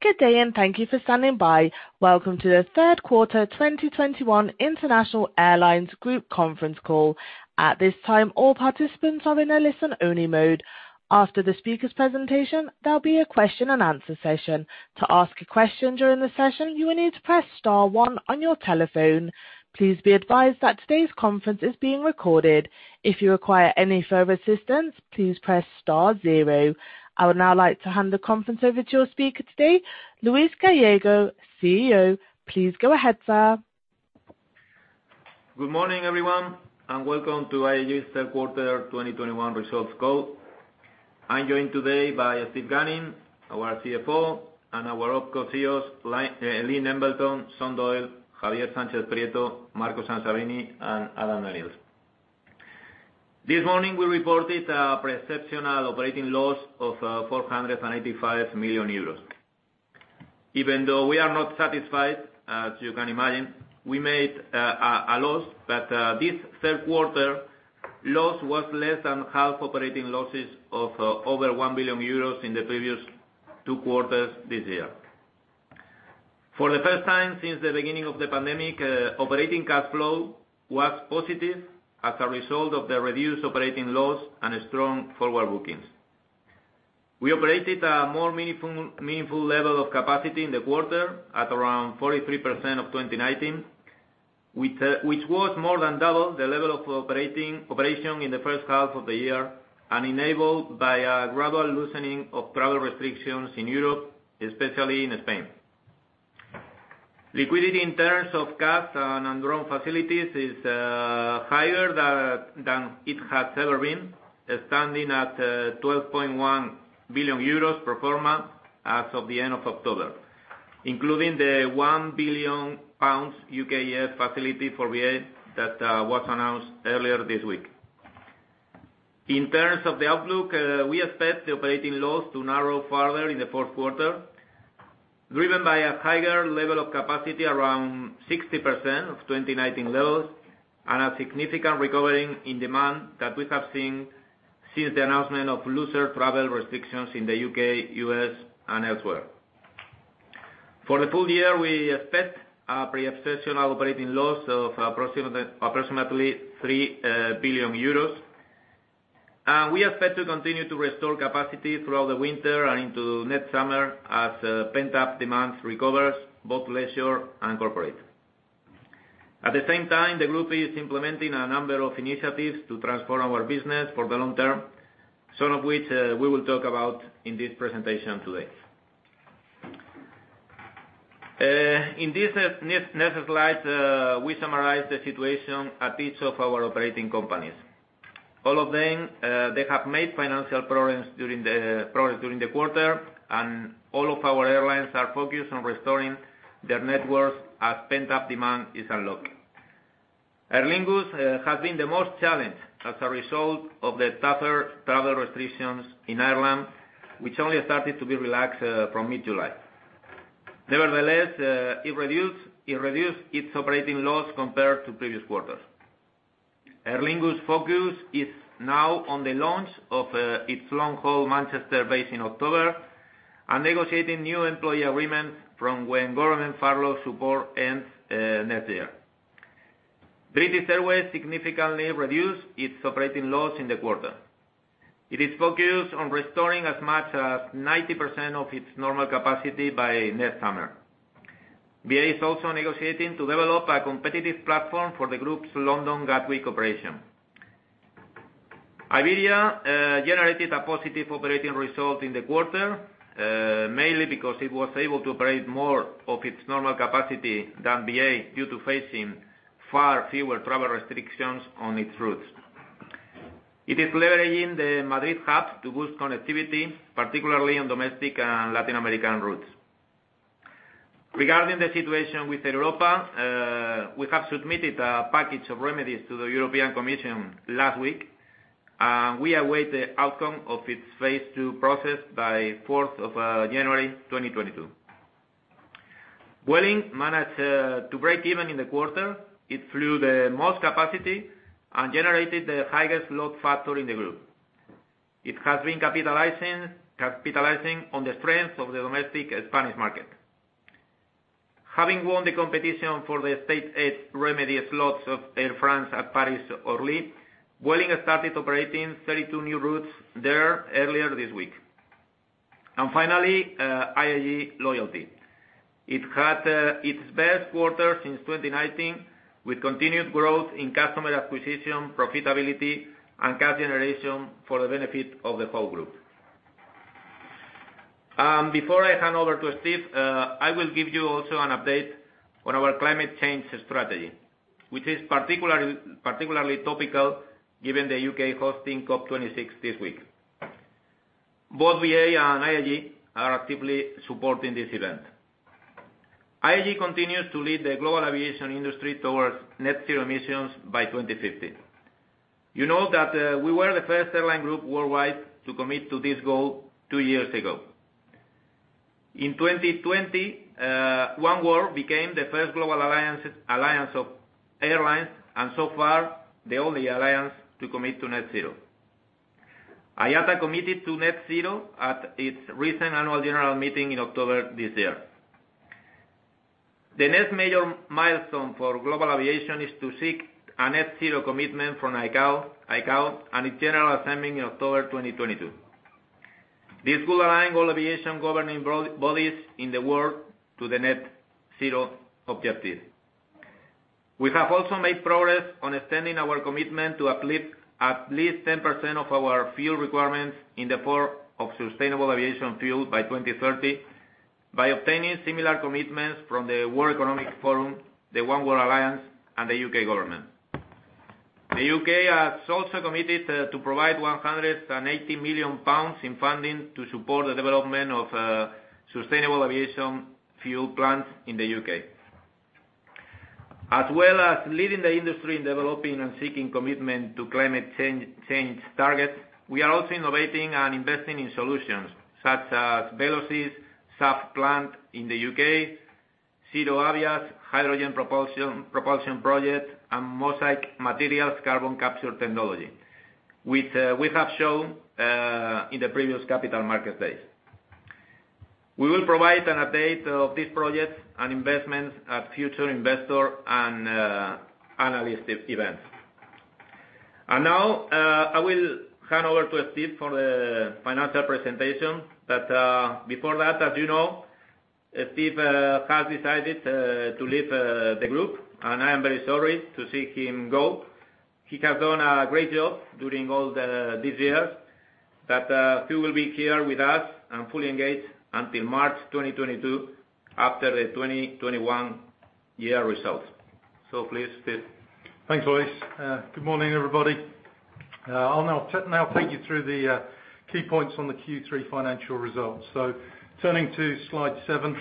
Good day and thank you for standing by. Welcome to the third quarter 2021 International Airlines Group conference call. At this time, all participants are in a listen-only mode. After the speaker's presentation, there'll be a question and answer session. To ask a question during the session, you will need to press star one on your telephone. Please be advised that today's conference is being recorded. If you require any further assistance, please press star zero. I would now like to hand the conference over to your speaker today, Luis Gallego, CEO. Please go ahead, sir. Good morning, everyone, and welcome to IAG's third quarter 2021 results call. I'm joined today by Steve Gunning, our CFO, and our OPCO CEOs, Lynne Embleton, Sean Doyle, Javier Sánchez-Prieto, Marco Sansavini, and Alan Lewis. This morning, we reported an exceptional operating loss of 485 million euros. Even though we are not satisfied, as you can imagine, we made a loss, but this third quarter loss was less than half operating losses of over 1 billion euros in the previous two quarters this year. For the first time since the beginning of the pandemic, operating cash flow was positive as a result of the reduced operating loss and a strong forward bookings. We operated a more meaningful level of capacity in the quarter at around 43% of 2019, which was more than double the level of operation in the first half of the year and enabled by a gradual loosening of travel restrictions in Europe, especially in Spain. Liquidity in terms of cash and undrawn facilities is higher than it has ever been, standing at 12.1 billion euros pro forma as of the end of October, including the 1 billion pounds UKEF facility for BA that was announced earlier this week. In terms of the outlook, we expect the operating loss to narrow further in the fourth quarter, driven by a higher level of capacity around 60% of 2019 levels and a significant recovering in demand that we have seen since the announcement of looser travel restrictions in the U.K., U.S., and elsewhere. For the full year, we expect a pre-exceptional operating loss of approximately 3 billion euros . We expect to continue to restore capacity throughout the winter and into next summer as pent-up demand recovers, both leisure and corporate. At the same time, the group is implementing a number of initiatives to transform our business for the long term, some of which we will talk about in this presentation today. In this next slide, we summarize the situation at each of our operating companies. All of them, they have made financial progress during the quarter, and all of our airlines are focused on restoring their networks as pent-up demand is unlocked. Aer Lingus has been the most challenged as a result of the tougher travel restrictions in Ireland, which only started to be relaxed from mid-July. Nevertheless, it reduced its operating loss compared to previous quarters. Aer Lingus' focus is now on the launch of its long-haul Manchester base in October and negotiating new employee agreements from when government furlough support ends next year. British Airways significantly reduced its operating loss in the quarter. It is focused on restoring as much as 90% of its normal capacity by next summer. BA is also negotiating to develop a competitive platform for the group's London Gatwick operation. Iberia generated a positive operating result in the quarter, mainly because it was able to operate more of its normal capacity than BA due to facing far fewer travel restrictions on its routes. It is leveraging the Madrid hub to boost connectivity, particularly on domestic and Latin American routes. Regarding the situation with Air Europa, we have submitted a package of remedies to the European Commission last week, and we await the outcome of its phase two process by 4 of January 2022. Vueling managed to break even in the quarter. It flew the most capacity and generated the highest load factor in the group. It has been capitalizing on the strength of the domestic Spanish market. Having won the competition for the state aid remedy slots of Air France at Paris Orly, Vueling started operating 32 new routes there earlier this week. Finally, IAG Loyalty. It had its best quarter since 2019, with continued growth in customer acquisition, profitability, and cash generation for the benefit of the whole group. Before I hand over to Steve, I will give you also an update on our climate change strategy, which is particularly topical given the U.K. hosting COP26 this week. Both BA and IAG are actively supporting this event. IAG continues to lead the global aviation industry towards net zero emissions by 2050. You know that we were the first airline group worldwide to commit to this goal two years ago. In 2020, oneworld became the first global alliance of airlines and so far the only alliance to commit to net zero. IATA committed to net zero at its recent annual general meeting in October this year. The next major milestone for global aviation is to seek a net zero commitment from ICAO and its general assembly in October 2022. This will align all aviation governing bodies in the world to the net zero objective. We have also made progress on extending our commitment to uplift at least 10% of our fuel requirements in the form of sustainable aviation fuel by 2030 by obtaining similar commitments from the World Economic Forum, the oneworld alliance, and the U.K. government. The U.K. has also committed to provide 180 million pounds in funding to support the development of sustainable aviation fuel plants in the U.K. As well as leading the industry in developing and seeking commitment to climate change targets, we are also innovating and investing in solutions such as Velocys SAF plant in the U.K., ZeroAvia hydrogen propulsion project, and Mosaic Materials carbon capture technology, which we have shown in the previous capital market days. We will provide an update of these projects and investments at future investor and analyst events. I will hand over to Steve for the financial presentation. Before that, as you know, Steve has decided to leave the group, and I am very sorry to see him go. He has done a great job during these years. Steve will be here with us and fully engaged until March 2022 after the 2021 year results. Please, Steve. Thanks, Luis. Good morning, everybody. I'll now take you through the key points on the Q3 financial results. Turning to slide seven,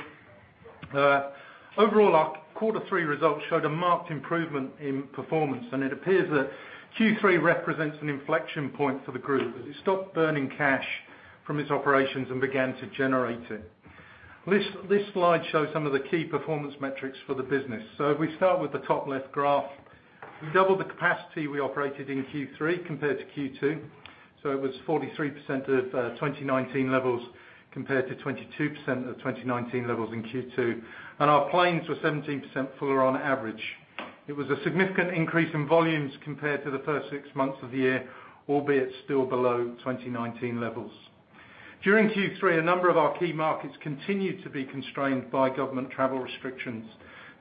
overall, our quarter three results showed a marked improvement in performance, and it appears that Q3 represents an inflection point for the group as it stopped burning cash from its operations and began to generate it. This slide shows some of the key performance metrics for the business. If we start with the top left graph, we doubled the capacity we operated in Q3 compared to Q2, so it was 43% of 2019 levels compared to 22% of 2019 levels in Q2. Our planes were 17% fuller on average. It was a significant increase in volumes compared to the first six months of the year, albeit still below 2019 levels. During Q3, a number of our key markets continued to be constrained by government travel restrictions,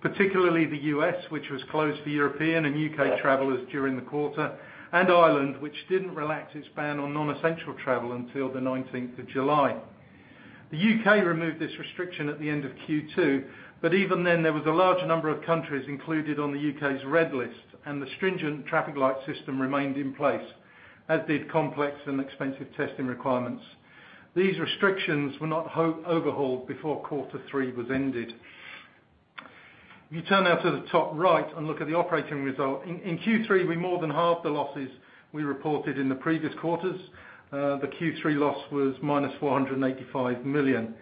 particularly the U.S., which was closed for European and U.K. travelers during the quarter, and Ireland, which didn't relax its ban on non-essential travel until the nineteenth of July. The U.K. removed this restriction at the end of Q2, but even then, there was a large number of countries included on the U.K.'s red list, and the stringent traffic light system remained in place, as did complex and expensive testing requirements. These restrictions were not overhauled before quarter three was ended. If you turn now to the top right and look at the operating result, in Q3, we more than halved the losses we reported in the previous quarters. The Q3 loss was -485 million.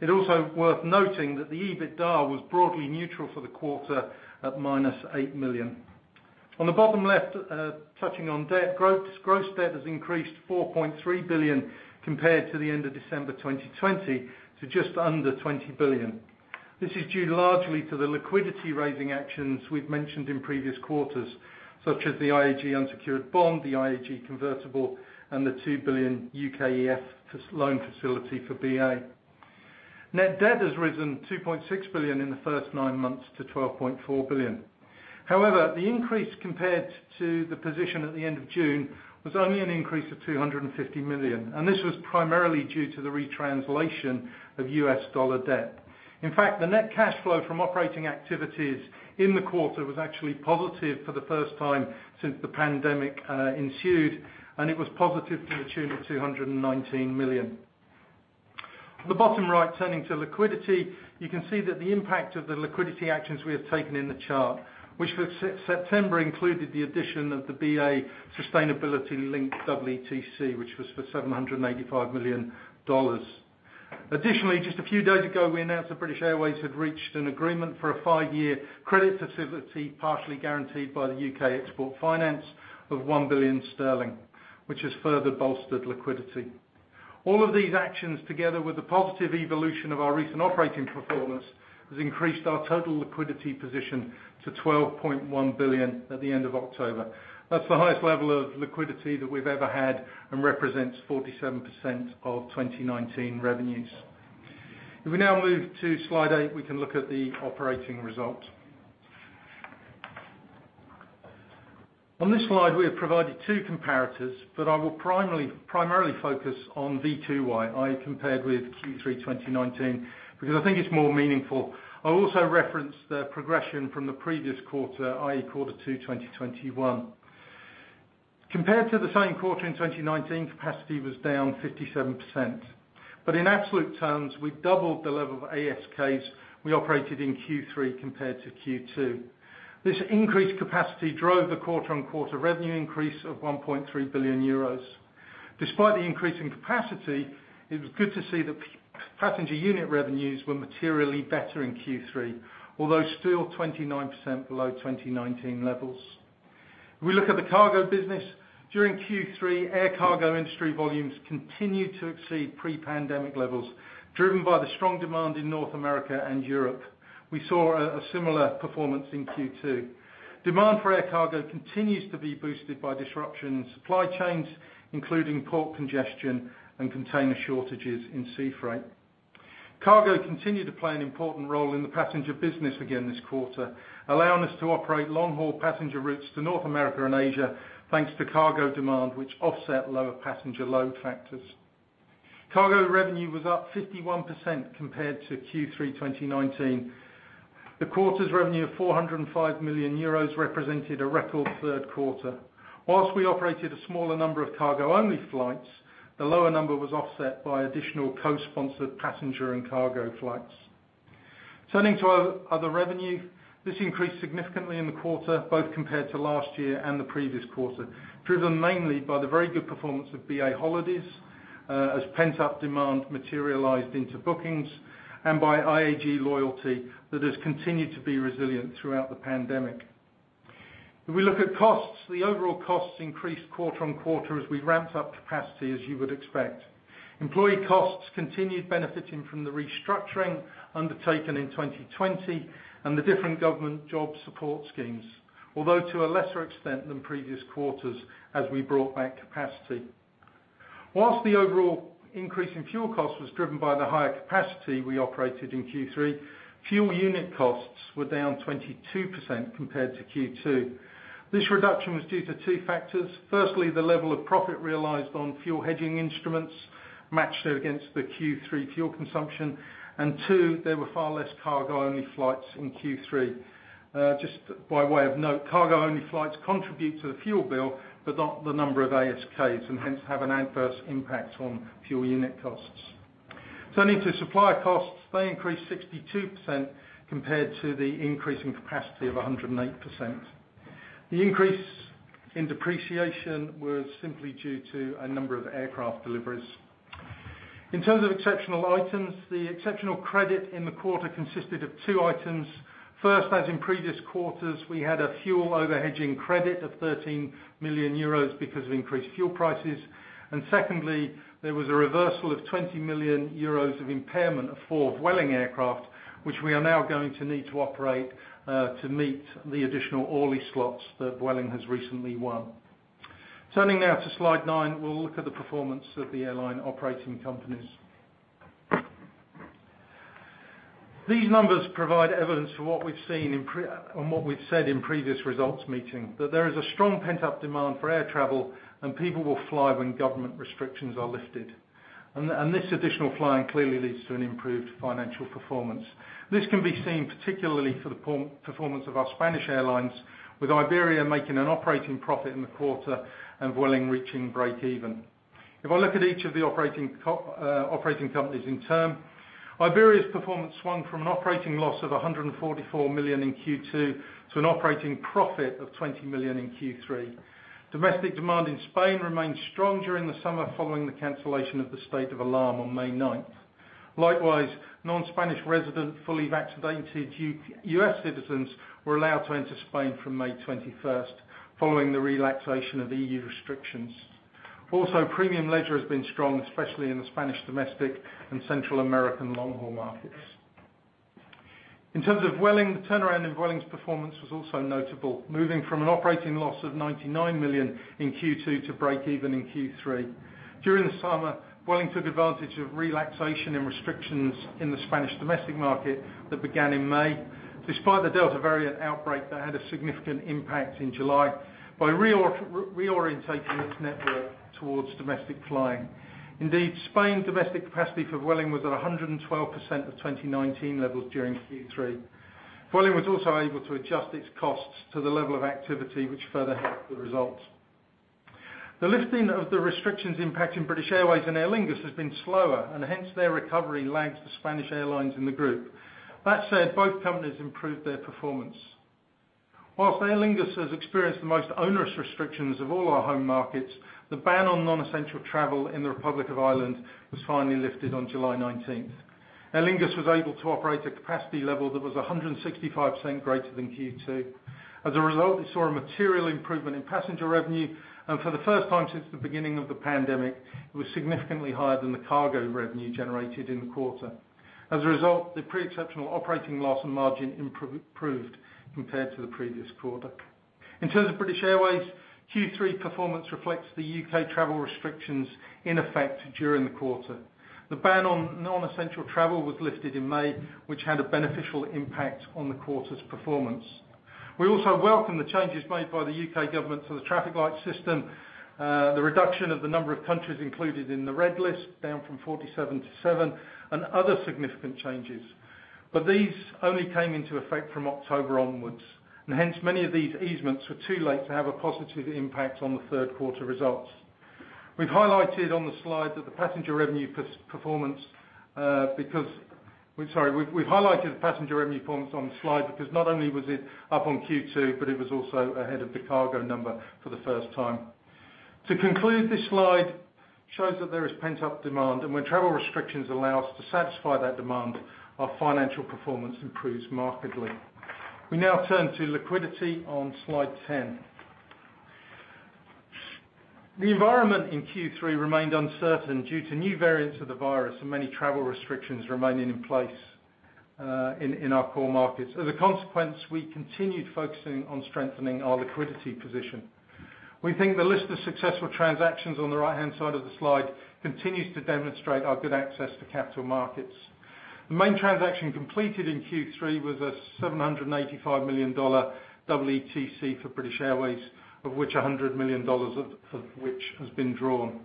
It's also worth noting that the EBITDA was broadly neutral for the quarter at -8 million. On the bottom left, touching on debt, gross debt has increased 4.3 billion compared to the end of December 2020 to just under 20 billion. This is due largely to the liquidity-raising actions we've mentioned in previous quarters, such as the IAG unsecured bond, the IAG convertible, and the 2 billion UKEF loan facility for BA. Net debt has risen 2.6 billion in the first nine months to 12.4 billion. However, the increase compared to the position at the end of June was only an increase of 250 million, and this was primarily due to the retranslation of US dollar debt. In fact, the net cash flow from operating activities in the quarter was actually positive for the first time since the pandemic ensued, and it was positive to the tune of 219 million. On the bottom right, turning to liquidity, you can see that the impact of the liquidity actions we have taken in the chart, which for September included the addition of the BA sustainability-linked EETC, which was for $785 million. Additionally, just a few days ago, we announced that British Airways had reached an agreement for a five-year credit facility, partially guaranteed by the U.K. Export Finance of 1 billion sterling, which has further bolstered liquidity. All of these actions, together with the positive evolution of our recent operating performance, has increased our total liquidity position to 12.1 billion at the end of October. That's the highest level of liquidity that we've ever had and represents 47% of 2019 revenues. If we now move to slide eight, we can look at the operating results. On this slide, we have provided two comparators, but I will primarily focus on V2Y, i.e., compared with Q3 2019, because I think it's more meaningful. I'll also reference the progression from the previous quarter, i.e., quarter 2, 2021. Compared to the same quarter in 2019, capacity was down 57%. In absolute terms, we've doubled the level of ASKs we operated in Q3 compared to Q2. This increased capacity drove the quarter-on-quarter revenue increase of 1.3 billion euros. Despite the increase in capacity, it was good to see that passenger unit revenues were materially better in Q3, although still 29% below 2019 levels. If we look at the cargo business, during Q3, air cargo industry volumes continued to exceed pre-pandemic levels, driven by the strong demand in North America and Europe. We saw a similar performance in Q2. Demand for air cargo continues to be boosted by disruption in supply chains, including port congestion and container shortages in sea freight. Cargo continued to play an important role in the passenger business again this quarter, allowing us to operate long-haul passenger routes to North America and Asia, thanks to cargo demand, which offset lower passenger load factors. Cargo revenue was up 51% compared to Q3 2019. The quarter's revenue of 405 million euros represented a record third quarter. Whilst we operated a smaller number of cargo-only flights, the lower number was offset by additional co-sponsored passenger and cargo flights. Turning to our other revenue, this increased significantly in the quarter, both compared to last year and the previous quarter, driven mainly by the very good performance of BA Holidays, as pent-up demand materialized into bookings, and by IAG Loyalty that has continued to be resilient throughout the pandemic. If we look at costs, the overall costs increased quarter-on-quarter as we ramped up capacity, as you would expect. Employee costs continued benefiting from the restructuring undertaken in 2020 and the different government job support schemes, although to a lesser extent than previous quarters as we brought back capacity. While the overall increase in fuel costs was driven by the higher capacity we operated in Q3, fuel unit costs were down 22% compared to Q2. This reduction was due to two factors. Firstly, the level of profit realized on fuel hedging instruments matched against the Q3 fuel consumption, and two, there were far less cargo-only flights in Q3. Just by way of note, cargo-only flights contribute to the fuel bill, but not the number of ASKs, and hence have an adverse impact on fuel unit costs. Turning to supply costs, they increased 62% compared to the increase in capacity of 108%. The increase in depreciation was simply due to a number of aircraft deliveries. In terms of exceptional items, the exceptional credit in the quarter consisted of two items. First, as in previous quarters, we had a fuel over-hedging credit of 13 million euros because of increased fuel prices, and secondly, there was a reversal of 20 million euros of impairment of four Vueling aircraft, which we are now going to need to operate to meet the additional Orly slots that Vueling has recently won. Turning now to Slide nine, we'll look at the performance of the airline operating companies. These numbers provide evidence for what we've seen on what we've said in previous results meeting, that there is a strong pent-up demand for air travel and people will fly when government restrictions are lifted. This additional flying clearly leads to an improved financial performance. This can be seen particularly for the performance of our Spanish airlines, with Iberia making an operating profit in the quarter and Vueling reaching break even. If I look at each of the operating companies in turn, Iberia's performance swung from an operating loss of 144 million in Q2 to an operating profit of 20 million in Q3. Domestic demand in Spain remained strong during the summer following the cancellation of the state of alarm on May 9th. Likewise, non-Spanish resident, fully vaccinated U.S. citizens were allowed to enter Spain from May 21st following the relaxation of EU restrictions. Also, premium leisure has been strong, especially in the Spanish domestic and Central American long-haul markets. In terms of Vueling, the turnaround in Vueling's performance was also notable, moving from an operating loss of 99 million in Q2 to break even in Q3. During the summer, Vueling took advantage of relaxation in restrictions in the Spanish domestic market that began in May, despite the Delta variant outbreak that had a significant impact in July, by reorienting its network towards domestic flying. Indeed, Spanish domestic capacity for Vueling was at 112% of 2019 levels during Q3. Vueling was also able to adjust its costs to the level of activity, which further helped the results. The lifting of the restrictions impacting British Airways and Aer Lingus has been slower, and hence their recovery lags the Spanish airlines in the group. That said, both companies improved their performance. Whilst Aer Lingus has experienced the most onerous restrictions of all our home markets, the ban on non-essential travel in the Republic of Ireland was finally lifted on July 19th. Aer Lingus was able to operate a capacity level that was 165% greater than Q2. As a result, we saw a material improvement in passenger revenue, and for the first time since the beginning of the pandemic, it was significantly higher than the cargo revenue generated in the quarter. As a result, the pre-exceptional operating loss and margin improved compared to the previous quarter. In terms of British Airways, Q3 performance reflects the U.K. travel restrictions in effect during the quarter. The ban on non-essential travel was lifted in May, which had a beneficial impact on the quarter's performance. We also welcome the changes made by the U.K. government to the traffic light system, the reduction of the number of countries included in the red list, down from 47 to seven, and other significant changes. These only came into effect from October onwards, and hence many of these easements were too late to have a positive impact on the third quarter results. We've highlighted the passenger revenue performance on the slide because not only was it up on Q2, but it was also ahead of the cargo number for the first time. To conclude, this slide shows that there is pent-up demand, and when travel restrictions allow us to satisfy that demand, our financial performance improves markedly. We now turn to liquidity on slide 10. The environment in Q3 remained uncertain due to new variants of the virus and many travel restrictions remaining in place, in our core markets. As a consequence, we continued focusing on strengthening our liquidity position. We think the list of successful transactions on the right-hand side of the slide continues to demonstrate our good access to capital markets. The main transaction completed in Q3 was a $785 million EETC for British Airways, of which $100 million has been drawn.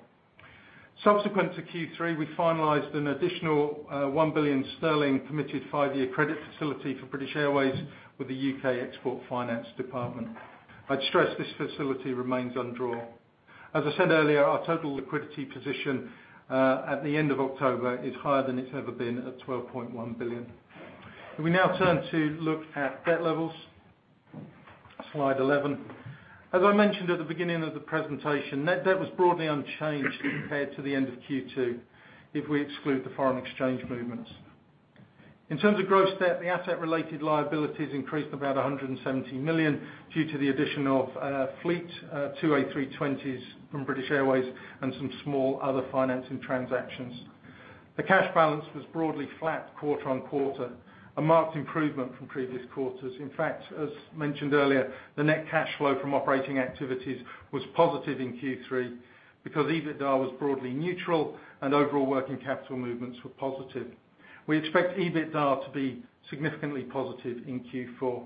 Subsequent to Q3, we finalized an additional one billion sterling permitted five-year credit facility for British Airways with U.K. Export Finance. I'd stress this facility remains undrawn. As I said earlier, our total liquidity position at the end of October is higher than it's ever been at 12.1 billion. We now turn to look at debt levels, slide 11. As I mentioned at the beginning of the presentation, net debt was broadly unchanged compared to the end of Q2 if we exclude the foreign exchange movements. In terms of gross debt, the asset-related liabilities increased about 170 million due to the addition of fleet two A320s from British Airways and some small other financing transactions. The cash balance was broadly flat quarter-over-quarter, a marked improvement from previous quarters. In fact, as mentioned earlier, the net cash flow from operating activities was positive in Q3 because EBITDA was broadly neutral and overall working capital movements were positive. We expect EBITDA to be significantly positive in Q4.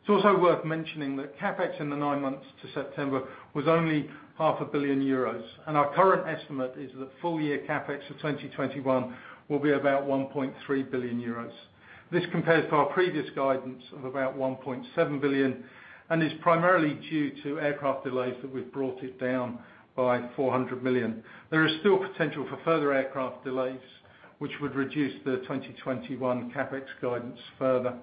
It's also worth mentioning that CapEx in the nine months to September was only 500 million euros, and our current estimate is that full-year CapEx for 2021 will be about 1.3 billion euros. This compares to our previous guidance of about 1.7 billion and is primarily due to aircraft delays that we've brought it down by 400 million. There is still potential for further aircraft delays, which would reduce the 2021 CapEx guidance further.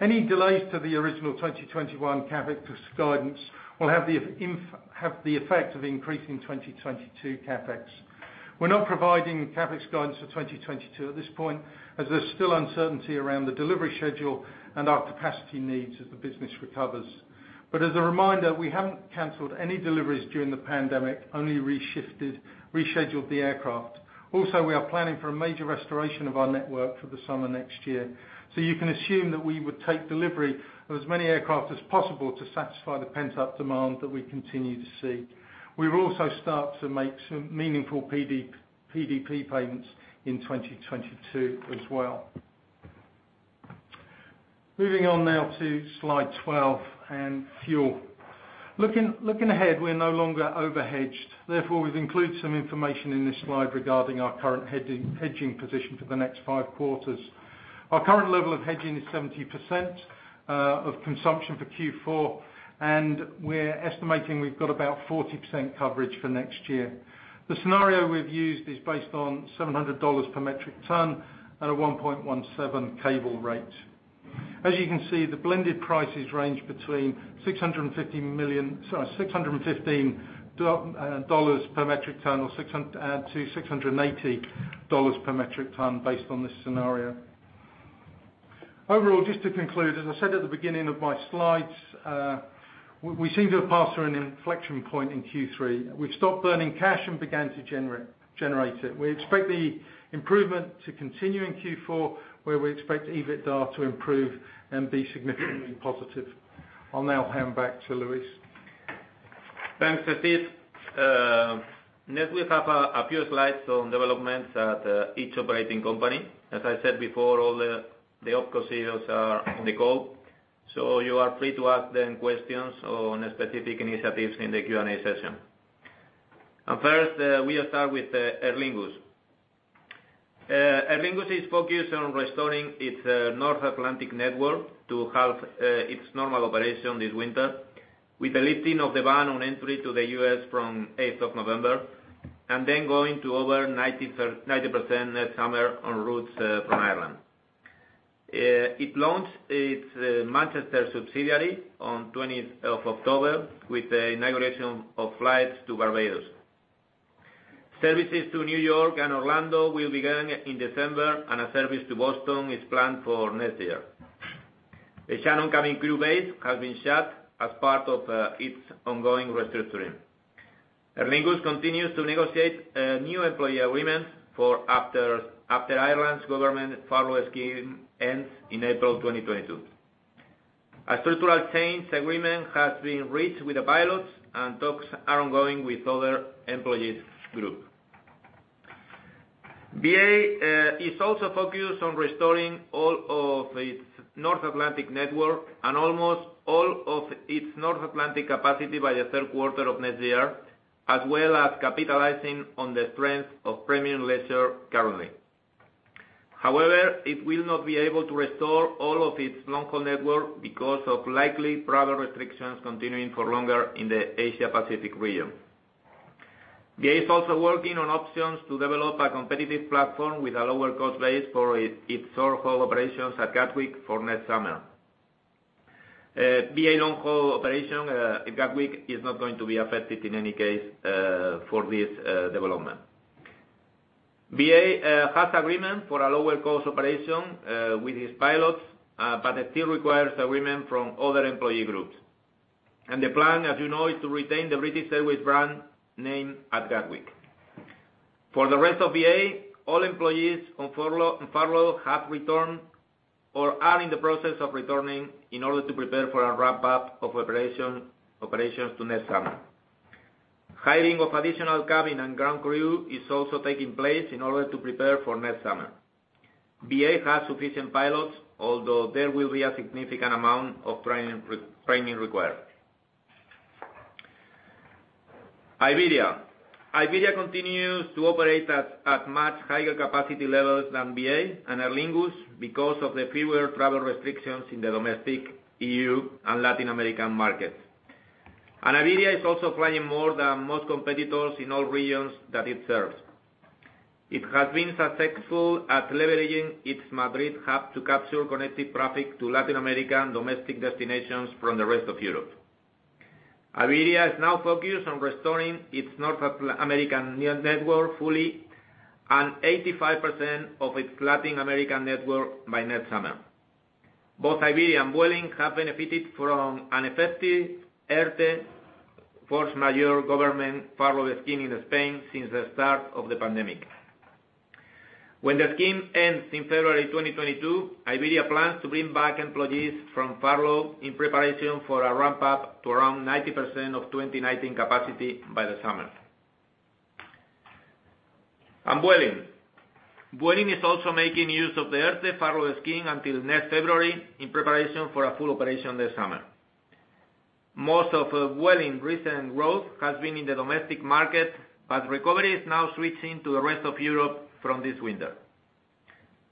Any delays to the original 2021 CapEx guidance will have the effect of increasing 2022 CapEx. We're not providing CapEx guidance for 2022 at this point, as there's still uncertainty around the delivery schedule and our capacity needs as the business recovers. As a reminder, we haven't canceled any deliveries during the pandemic, only reshifted, rescheduled the aircraft. Also, we are planning for a major restoration of our network for the summer next year. You can assume that we would take delivery of as many aircraft as possible to satisfy the pent-up demand that we continue to see. We will also start to make some meaningful PD, PDP payments in 2022 as well. Moving on now to slide 12 and fuel. Looking ahead, we're no longer over-hedged. Therefore, we've included some information in this slide regarding our current hedging position for the next five quarters. Our current level of hedging is 70% of consumption for Q4, and we're estimating we've got about 40% coverage for next year. The scenario we've used is based on $700 per metric ton at a 1.17 cable rate. As you can see, the blended prices range between $615-$680 per metric ton based on this scenario. Overall, just to conclude, as I said at the beginning of my slides, we seem to have passed through an inflection point in Q3. We've stopped burning cash and began to generate it. We expect the improvement to continue in Q4, where we expect EBITDA to improve and be significantly positive. I'll now hand back to Luis. Thanks, Steve. Next, we have a few slides on developments at each operating company. As I said before, all the OpCo CEOs are on the call, so you are free to ask them questions on specific initiatives in the Q&A session. First, we'll start with Aer Lingus. Aer Lingus is focused on restoring its North Atlantic network to have its normal operation this winter with the lifting of the ban on entry to the U.S. from 8 of November and then going to over 90% next summer on routes from Ireland. It launched its Manchester subsidiary on twentieth of October with the inauguration of flights to Barbados. Services to New York and Orlando will begin in December, and a service to Boston is planned for next year. The Shannon cabin crew base has been shut as part of its ongoing restructuring. Aer Lingus continues to negotiate new employee agreements for after Ireland's government furlough scheme ends in April 2022. A structural change agreement has been reached with the pilots, and talks are ongoing with other employees group. BA is also focused on restoring all of its North Atlantic network and almost all of its North Atlantic capacity by the third quarter of next year, as well as capitalizing on the strength of premium leisure currently. However, it will not be able to restore all of its long-haul network because of likely travel restrictions continuing for longer in the Asia Pacific region. BA is also working on options to develop a competitive platform with a lower cost base for its short-haul operations at Gatwick for next summer. BA long-haul operation at Gatwick is not going to be affected in any case for this development. BA has agreement for a lower cost operation with its pilots, but it still requires agreement from other employee groups. The plan, as you know, is to retain the British Airways brand name at Gatwick. For the rest of BA, all employees on furlough have returned or are in the process of returning in order to prepare for a ramp-up of operations to next summer. Hiring of additional cabin and ground crew is also taking place in order to prepare for next summer. BA has sufficient pilots, although there will be a significant amount of retraining required. Iberia continues to operate at much higher capacity levels than BA and Aer Lingus because of the fewer travel restrictions in the domestic EU and Latin American markets. Iberia is also flying more than most competitors in all regions that it serves. It has been successful at leveraging its Madrid hub to capture connected traffic to Latin America and domestic destinations from the rest of Europe. Iberia is now focused on restoring its North Atlantic network fully and 85% of its Latin American network by next summer. Both Iberia and Vueling have benefited from an effective ERTE force majeure government furlough scheme in Spain since the start of the pandemic. When the scheme ends in February 2022, Iberia plans to bring back employees from furlough in preparation for a ramp-up to around 90% of 2019 capacity by the summer. Vueling. Vueling is also making use of the ERTE furlough scheme until next February in preparation for a full operation this summer. Most of Vueling's recent growth has been in the domestic market, but recovery is now switching to the rest of Europe from this winter.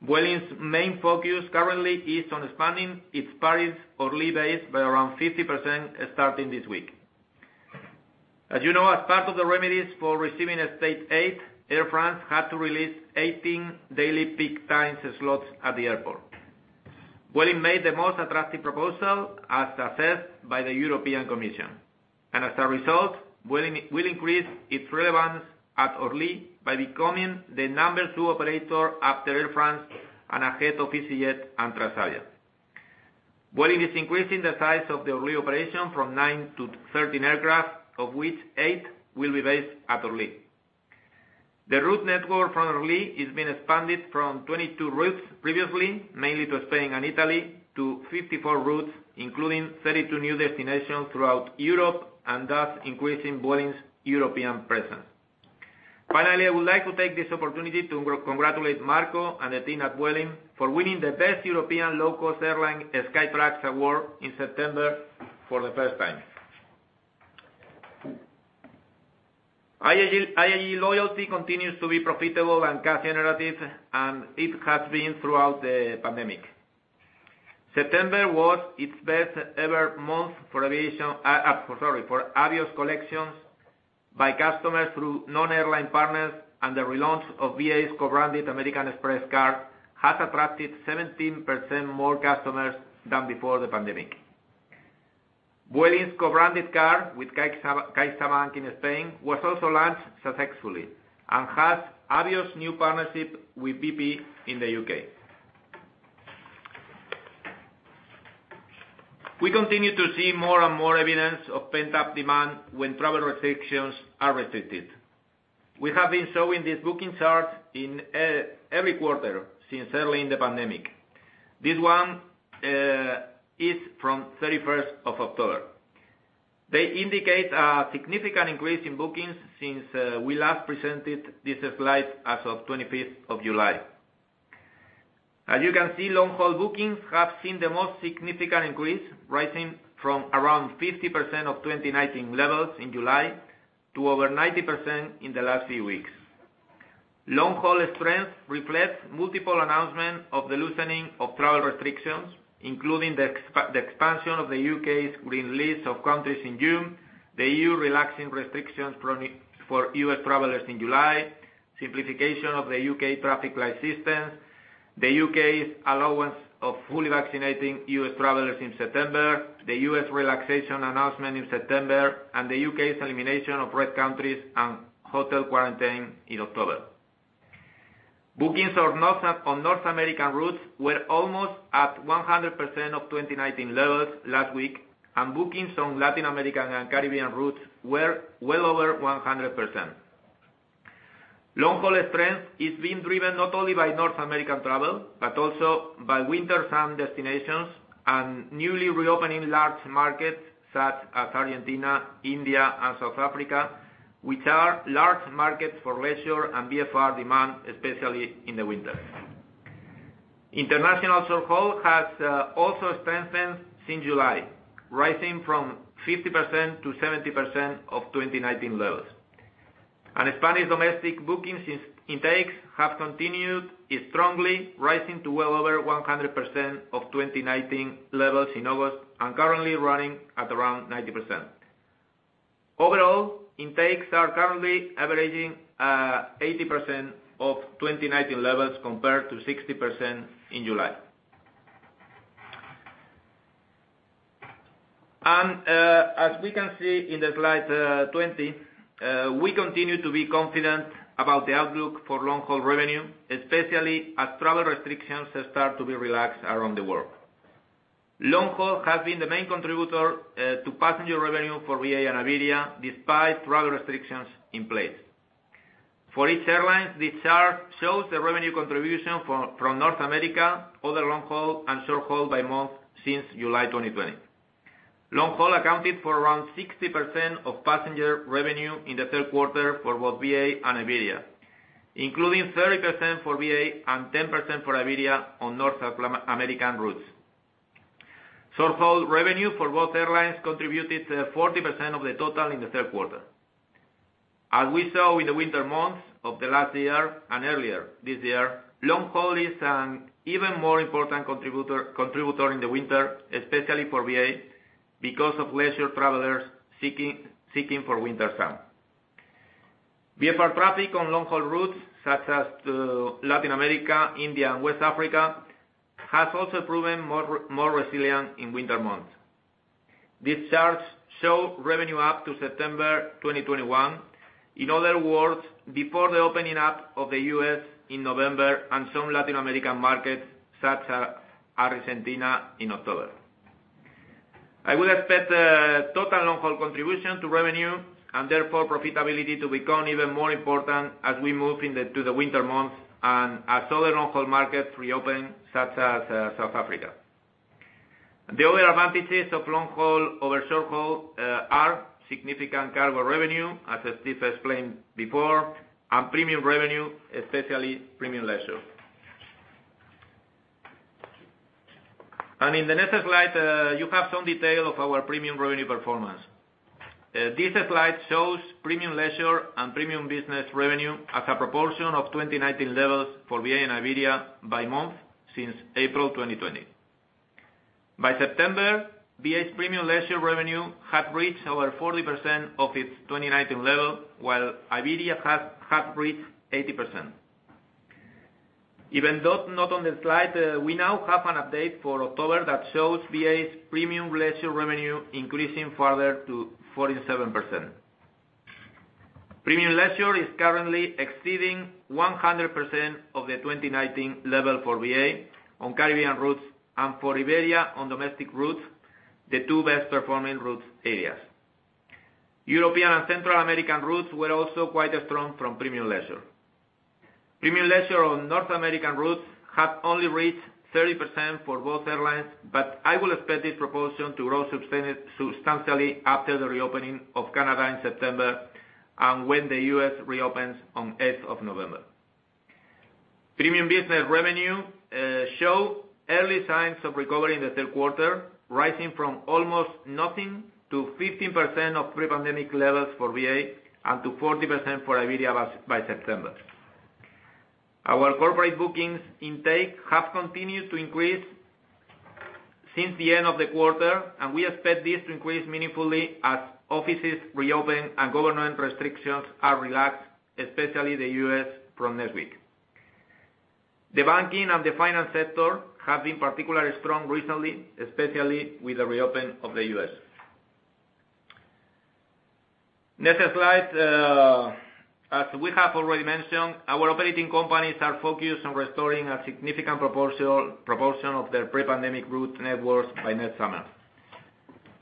Vueling's main focus currently is on expanding its Paris Orly base by around 50%, starting this week. As you know, as part of the remedies for receiving a state aid, Air France had to release 18 daily peak times slots at the airport. Vueling made the most attractive proposal, as assessed by the European Commission. As a result, Vueling increase its relevance at Orly by becoming the number two operator after Air France and ahead of easyJet and Transavia. Vueling is increasing the size of the Orly operation from nine to 13 aircraft, of which eight will be based at Orly. The route network from Orly is being expanded from 22 routes previously, mainly to Spain and Italy, to 54 routes, including 32 new destinations throughout Europe, and thus increasing Vueling's European presence. Finally, I would like to take this opportunity to congratulate Marco and the team at Vueling for winning the Best European Low Cost Airline Skytrax award in September for the first time. IAG Loyalty continues to be profitable and cash generative, and it has been throughout the pandemic. September was its best ever month for Avios collections by customers through non-airline partners, and the relaunch of BA's co-branded American Express card has attracted 17% more customers than before the pandemic. Vueling's co-branded card with CaixaBank in Spain was also launched successfully, and we have a new partnership with BP in the U.K. We continue to see more and more evidence of pent-up demand when travel restrictions are lifted. We have been showing this booking chart in every quarter since early in the pandemic. This one is from 31st of October. They indicate a significant increase in bookings since we last presented this slide as of 25th of July. As you can see, long-haul bookings have seen the most significant increase, rising from around 50% of 2019 levels in July to over 90% in the last few weeks. Long-haul strength reflects multiple announcements of the loosening of travel restrictions, including the expansion of the U.K.'s green list of countries in June, the EU relaxing restrictions for U.S. travelers in July, simplification of the U.K. traffic light system, the U.K.'s allowance of fully vaccinating U.S. travelers in September, the U.S. relaxation announcement in September, and the U.K.'s elimination of red countries and hotel quarantine in October. Bookings on North American routes were almost at 100% of 2019 levels last week, and bookings on Latin American and Caribbean routes were well over 100%. Long-haul strength is being driven not only by North American travel, but also by winter sun destinations and newly reopening large markets such as Argentina, India, and South Africa, which are large markets for leisure and VFR demand, especially in the winter. International short-haul has also strengthened since July, rising from 50%-70% of 2019 levels. Spanish domestic bookings intakes have continued strongly, rising to well over 100% of 2019 levels in August and currently running at around 90%. Overall, intakes are currently averaging 80% of 2019 levels compared to 60% in July. As we can see in the slide 20, we continue to be confident about the outlook for long-haul revenue, especially as travel restrictions start to be relaxed around the world. Long-haul has been the main contributor to passenger revenue for BA and Iberia, despite travel restrictions in place. For each airline, this chart shows the revenue contribution from North America, other long-haul and short-haul by month since July 2020. Long-haul accounted for around 60% of passenger revenue in the third quarter for both BA and Iberia, including 30% for BA and 10% for Iberia on North American routes. Short-haul revenue for both airlines contributed 40% of the total in the third quarter. As we saw in the winter months of the last year and earlier this year, long-haul is an even more important contributor in the winter, especially for BA, because of leisure travelers seeking for winter sun. VFR traffic on long-haul routes such as to Latin America, India, and West Africa has also proven more resilient in winter months. These charts show revenue up to September 2021. In other words, before the opening up of the U.S. in November and some Latin American markets, such as Argentina in October. I would expect total long-haul contribution to revenue, and therefore profitability, to become even more important as we move to the winter months and as other long-haul markets reopen, such as South Africa. The other advantages of long-haul over short-haul are significant cargo revenue, as Steve explained before, and premium revenue, especially premium leisure. In the next slide, you have some detail of our premium revenue performance. This slide shows premium leisure and premium business revenue as a proportion of 2019 levels for BA and Iberia by month since April 2020. By September, BA's premium leisure revenue had reached over 40% of its 2019 level, while Iberia has reached 80%. Even though not on the slide, we now have an update for October that shows BA's premium leisure revenue increasing further to 47%. Premium leisure is currently exceeding 100% of the 2019 level for BA on Caribbean routes and for Iberia on domestic routes, the two best performing route areas. European and Central American routes were also quite strong from premium leisure. Premium leisure on North American routes have only reached 30% for both airlines, but I will expect this proportion to grow substantially after the reopening of Canada in September and when the US reopens on 8th of November. Premium business revenue show early signs of recovery in the third quarter, rising from almost nothing to 15% of pre-pandemic levels for BA and to 40% for Iberia by September. Our corporate bookings intake have continued to increase since the end of the quarter, and we expect this to increase meaningfully as offices reopen and government restrictions are relaxed, especially the U.S., from next week. The banking and the finance sector have been particularly strong recently, especially with the reopen of the U.S. Next slide, as we have already mentioned, our operating companies are focused on restoring a significant proportion of their pre-pandemic route networks by next summer.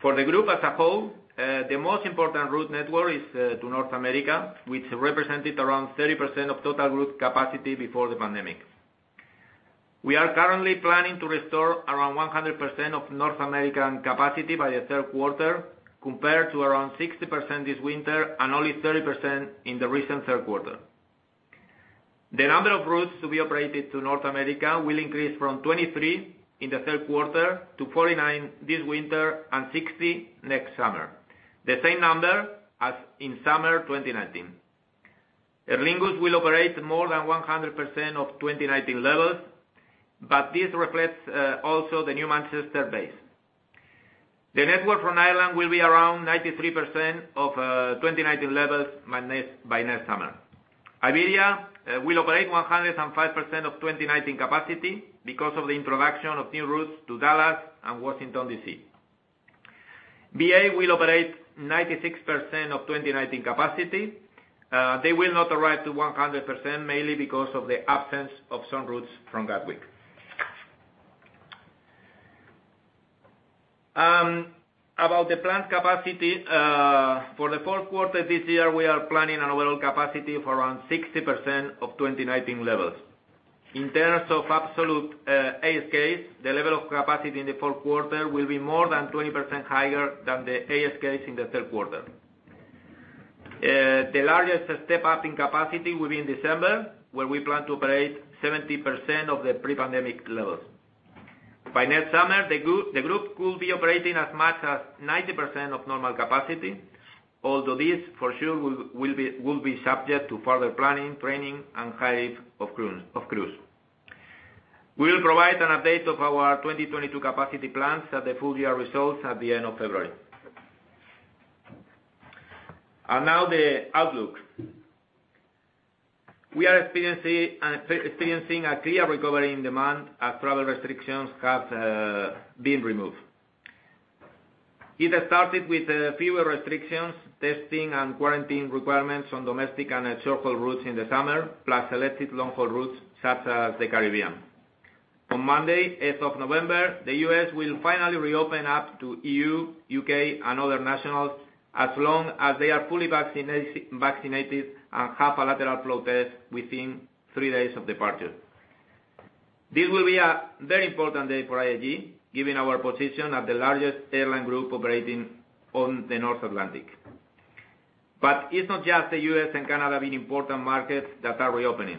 For the group as a whole, the most important route network is to North America, which represented around 30% of total route capacity before the pandemic. We are currently planning to restore around 100% of North American capacity by the third quarter, compared to around 60% this winter and only 30% in the recent third quarter. The number of routes to be operated to North America will increase from 23 in the third quarter to 49 this winter and 60 next summer. The same number as in summer 2019. Aer Lingus will operate more than 100% of 2019 levels, but this reflects also the new Manchester base. The network from Ireland will be around 93% of 2019 levels by next summer. Iberia will operate 105% of 2019 capacity because of the introduction of new routes to Dallas and Washington, D.C. BA will operate 96% of 2019 capacity. They will not arrive to 100%, mainly because of the absence of some routes from Gatwick. About the planned capacity for the fourth quarter this year, we are planning on a little capacity of around 60% of 2019 levels. In terms of absolute ASKs, the level of capacity in the fourth quarter will be more than 20% higher than the ASKs in the third quarter. The largest step-up in capacity will be in December, where we plan to operate 70% of the pre-pandemic levels. By next summer, the group will be operating as much as 90% of normal capacity, although this for sure will be subject to further planning, training, and hiring of crews. We will provide an update of our 2022 capacity plans at the full year results at the end of February. Now the outlook. We are experiencing a clear recovery in demand as travel restrictions have been removed. It has started with fewer restrictions, testing and quarantine requirements on domestic and short-haul routes in the summer, plus selected long-haul routes such as the Caribbean. On Monday, 8 of November, the U.S. will finally reopen to EU, U.K., and other nationals, as long as they are fully vaccinated and have a lateral flow test within three days of departure. This will be a very important day for IAG, given our position as the largest airline group operating on the North Atlantic. It's not just the U.S. and Canada being important markets that are reopening.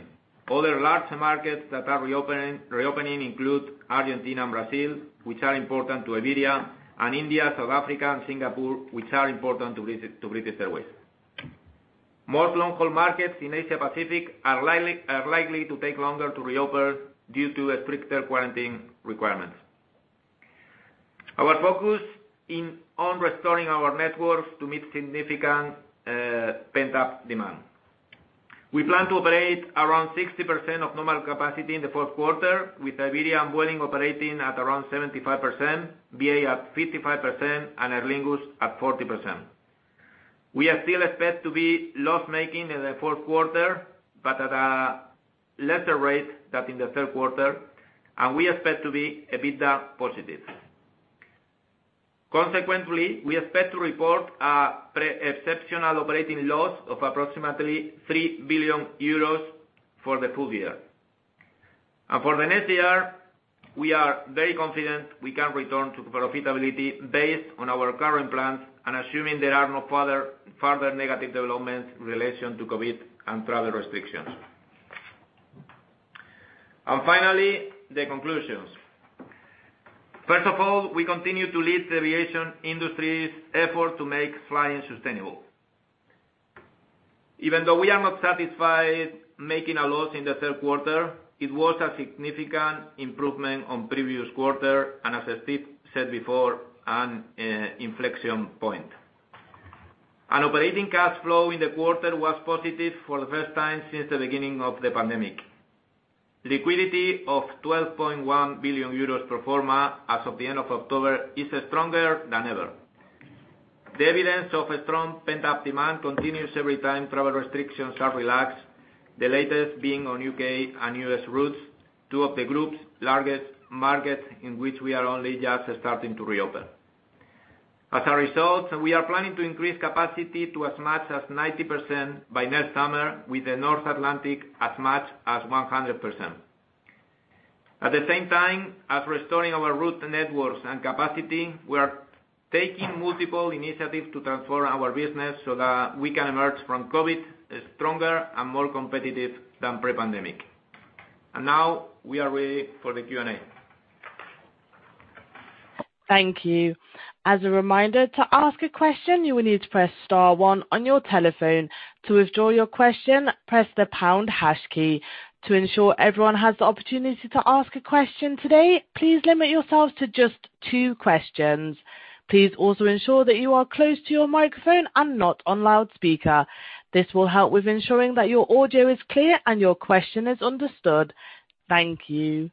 Other large markets that are reopening include Argentina and Brazil, which are important to Iberia, and India, South Africa and Singapore, which are important to British Airways. Most long-haul markets in Asia Pacific are likely to take longer to reopen due to stricter quarantine requirements. Our focus on restoring our networks to meet significant pent-up demand. We plan to operate around 60% of normal capacity in the fourth quarter, with Iberia and Vueling operating at around 75%, BA at 55%, and Aer Lingus at 40%. We still expect to be loss-making in the fourth quarter, but at a lesser rate than in the third quarter, and we expect to be EBITDA positive. Consequently, we expect to report a pre-exceptional operating loss of approximately 3 billion euros for the full year. For the next year, we are very confident we can return to profitability based on our current plans and assuming there are no further negative developments in relation to COVID and travel restrictions. Finally, the conclusions. First of all, we continue to lead the aviation industry's effort to make flying sustainable. Even though we are not satisfied making a loss in the third quarter, it was a significant improvement on previous quarter, and as Steve said before, an inflection point. Operating cash flow in the quarter was positive for the first time since the beginning of the pandemic. Liquidity of 12.1 billion euros pro forma as of the end of October is stronger than ever. The evidence of a strong pent-up demand continues every time travel restrictions are relaxed, the latest being on U.K. and U.S. routes, two of the group's largest markets in which we are only just starting to reopen. As a result, we are planning to increase capacity to as much as 90% by next summer, with the North Atlantic as much as 100%. At the same time as restoring our route networks and capacity, we are taking multiple initiatives to transform our business so that we can emerge from COVID stronger and more competitive than pre-pandemic. Now we are ready for the Q&A. Thank you. As a reminder, to ask a question, you will need to press star one on your telephone. To withdraw your question, press the pound hash key. To ensure everyone has the opportunity to ask a question today, please limit yourselves to just two questions. Please also ensure that you are close to your microphone and not on loudspeaker. This will help with ensuring that your audio is clear and your question is understood. Thank you.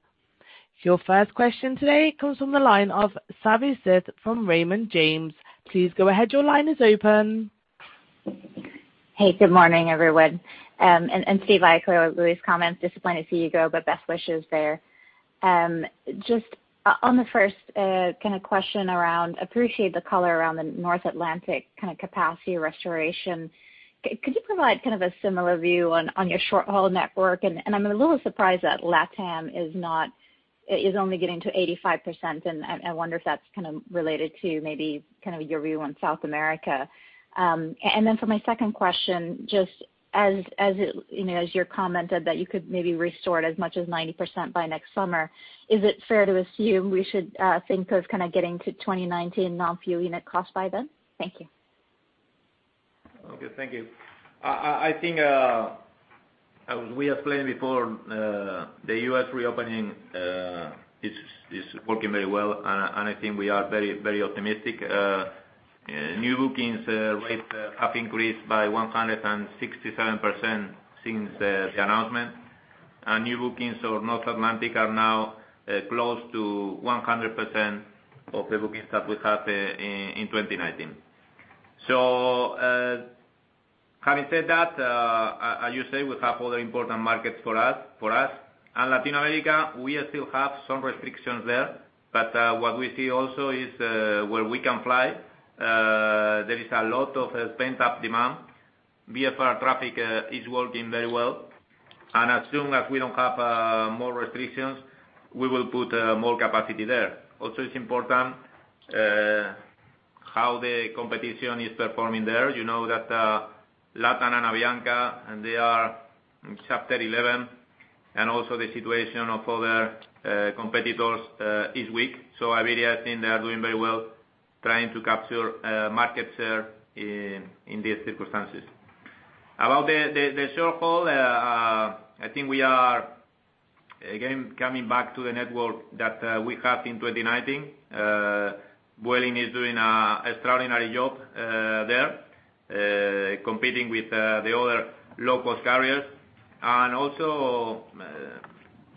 Your first question today comes from the line of Savi Syth from Raymond James. Please go ahead, your line is open. Hey, good morning, everyone. Steve, I echo Luis' comments. Disappointed to see you go, but best wishes there. Just on the first kinda question around, I appreciate the color around the North Atlantic kinda capacity restoration. Could you provide kind of a similar view on your short-haul network? I'm a little surprised that LATAM is only getting to 85%, and I wonder if that's kind of related to maybe kind of your view on South America. Then for my second question, just as it, you know, as you commented that you could maybe restore as much as 90% by next summer, is it fair to assume we should think of kinda getting to 2019 non-fuel unit cost by then? Thank you. Okay. Thank you. I think as we explained before the U.S. reopening is working very well and I think we are very optimistic. New bookings rates have increased by 167% since the announcement. New bookings on North Atlantic are now close to 100% of the bookings that we had in 2019. Having said that, as you say, we have other important markets for us. Latin America, we still have some restrictions there, but what we see also is, where we can fly, there is a lot of pent-up demand. VFR traffic is working very well. As soon as we don't have more restrictions, we will put more capacity there. It's important how the competition is performing there. You know that LATAM and Avianca, and they are in Chapter 11, and also the situation of other competitors is weak. Iberia, I think they are doing very well trying to capture market share in these circumstances. About the short haul, I think we are again coming back to the network that we had in 2019. Vueling is doing an extraordinary job there competing with the other low-cost carriers. Also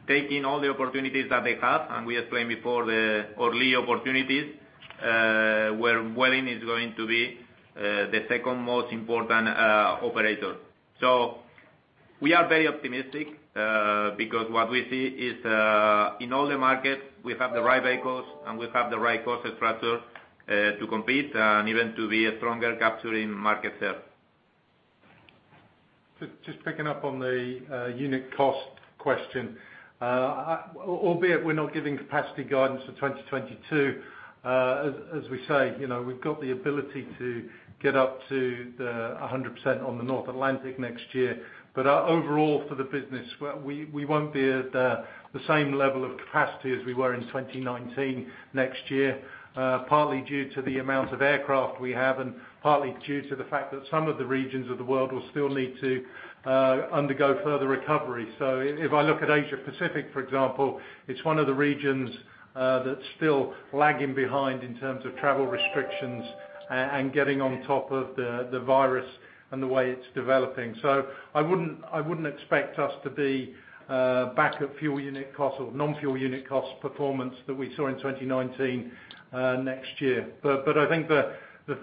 taking all the opportunities that they have, and we explained before the Orly opportunities where Vueling is going to be the second most important operator. We are very optimistic, because what we see is, in all the markets we have the right vehicles, and we have the right cost structure, to compete, and even to be a stronger capturing market share. Just picking up on the unit cost question. Albeit we're not giving capacity guidance for 2022, as we say, you know, we've got the ability to get up to 100% on the North Atlantic next year. Overall for the business, we won't be at the same level of capacity as we were in 2019 next year, partly due to the amount of aircraft we have, and partly due to the fact that some of the regions of the world will still need to undergo further recovery. If I look at Asia Pacific, for example, it's one of the regions that's still lagging behind in terms of travel restrictions and getting on top of the virus and the way it's developing. I wouldn't expect us to be back at fuel unit cost or non-fuel unit cost performance that we saw in 2019 next year. But I think the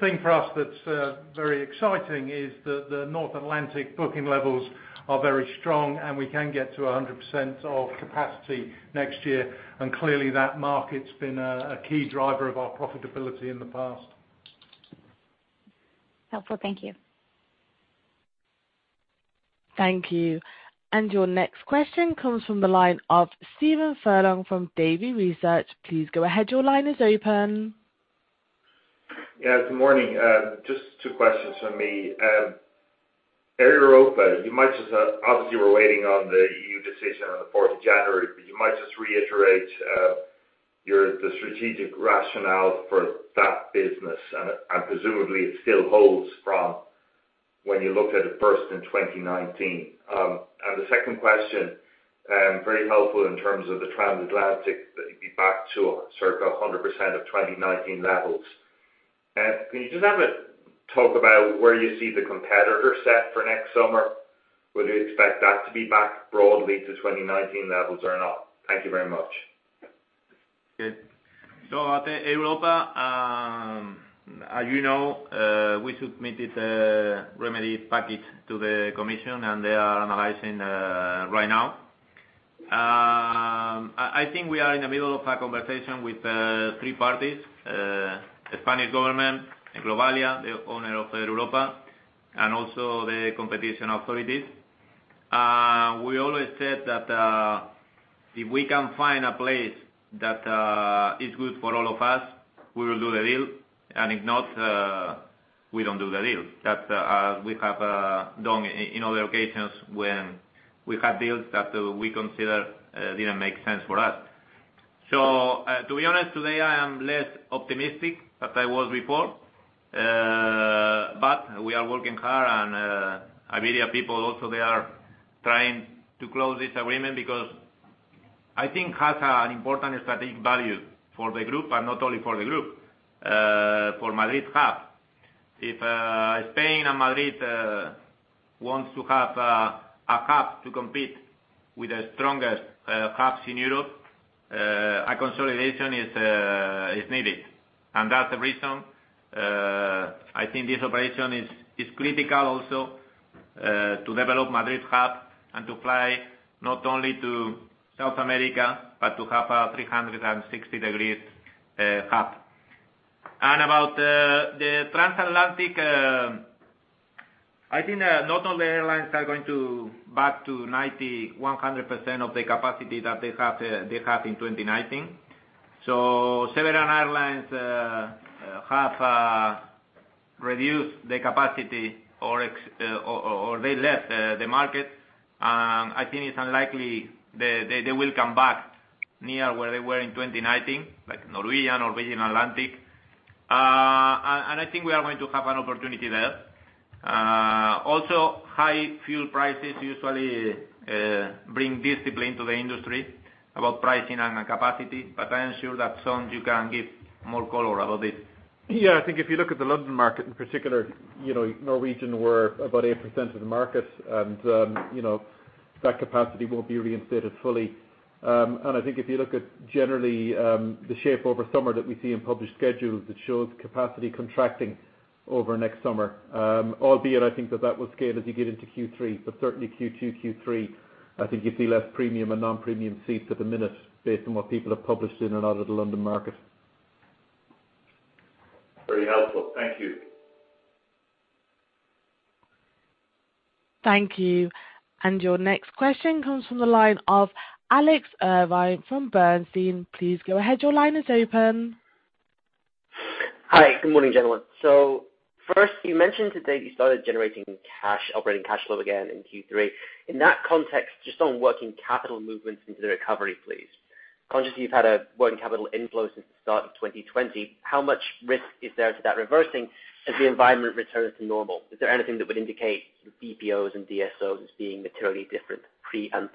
thing for us that's very exciting is the North Atlantic booking levels are very strong, and we can get to 100% of capacity next year. Clearly that market's been a key driver of our profitability in the past. Helpful. Thank you. Thank you. Your next question comes from the line of Stephen Furlong from Davy Research. Please go ahead. Your line is open. Yeah. Good morning. Just two questions from me. Air Europa, you might just obviously were waiting on the EU decision on the 4 of January, but you might just reiterate your the strategic rationale for that business. Presumably it still holds from when you looked at it first in 2019. The second question, very helpful in terms of the transatlantic, that you'd be back to circa 100% of 2019 levels. Can you just have a talk about where you see the competitor set for next summer? Would you expect that to be back broadly to 2019 levels or not? Thank you very much. Okay. At Air Europa, as you know, we submitted a remedy package to the commission, and they are analyzing right now. I think we are in the middle of a conversation with three parties, the Spanish government and Globalia, the owner of Air Europa, and also the competition authorities. We always said that if we can find a place that is good for all of us, we will do the deal, and if not, we don't do the deal. That's as we have done in other occasions when we had deals that we consider didn't make sense for us. To be honest, today I am less optimistic as I was before. We are working hard and Iberia people also, they are trying to close this agreement because I think it has an important strategic value for the group and not only for the group, for Madrid hub. If Spain and Madrid wants to have a hub to compete with the strongest hubs in Europe, a consolidation is needed. That's the reason I think this operation is critical also to develop Madrid hub and to fly not only to South America, but to have a 360-degree hub. About the transatlantic, I think not all the airlines are going to back to 90%-100% of the capacity that they have in 2019. Several airlines have reduced their capacity or they left the market. I think it's unlikely they will come back near where they were in 2019, like Norwegian or Virgin Atlantic. I think we are going to have an opportunity there. Also high fuel prices usually bring discipline to the industry about pricing and capacity, but I am sure that Sean, you can give more color about this. Yeah. I think if you look at the London market in particular, you know, Norwegian were about 8% of the market and, you know, that capacity won't be reinstated fully. I think if you look at generally, the shape over summer that we see in published schedules, it shows capacity contracting over next summer. Albeit I think that will scale as you get into Q3, but certainly Q2, Q3, I think you see less premium and non-premium seats at the minute based on what people have published in and out of the London market. Very helpful. Thank you. Thank you. Your next question comes from the line of Alex Irving from Bernstein. Please go ahead. Your line is open. Hi. Good morning, gentlemen. First, you mentioned today you started generating cash, operating cash flow again in Q3. In that context, just on working capital movements into the recovery, please. Obviously, you've had a working capital inflow since the start of 2020. How much risk is there to that reversing as the environment returns to normal? Is there anything that would indicate DPOs and DSOs as being materially different pre and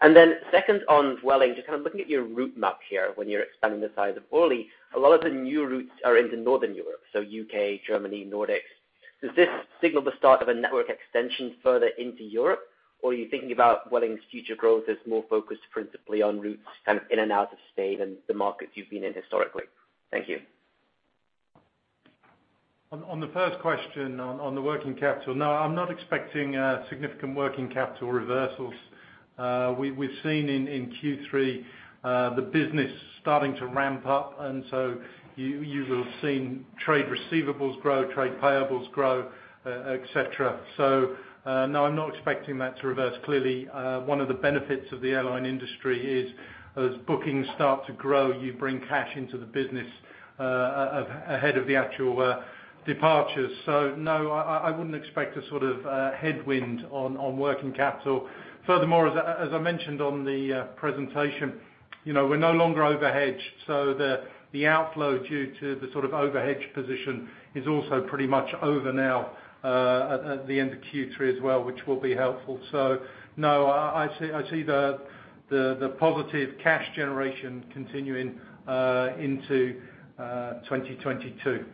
post-crisis? Then second on Vueling, just kind of looking at your route map here when you're expanding the size of Orly, a lot of the new routes are into Northern Europe, so U.K., Germany, Nordics. Does this signal the start of a network extension further into Europe, or are you thinking about Vueling's future growth as more focused principally on routes kind of in and out of Spain and the markets you've been in historically? Thank you. On the first question on the working capital. No, I'm not expecting significant working capital reversals. We've seen in Q3 the business starting to ramp up, and so you will have seen trade receivables grow, trade payables grow, etc. No, I'm not expecting that to reverse. Clearly, one of the benefits of the airline industry is as bookings start to grow, you bring cash into the business ahead of the actual departures. No, I wouldn't expect a sort of headwind on working capital. Furthermore, as I mentioned on the presentation, you know, we're no longer overhedged. The outflow due to the sort of overhedge position is also pretty much over now, at the end of Q3 as well, which will be helpful. No, I see the positive cash generation continuing into 2022. On the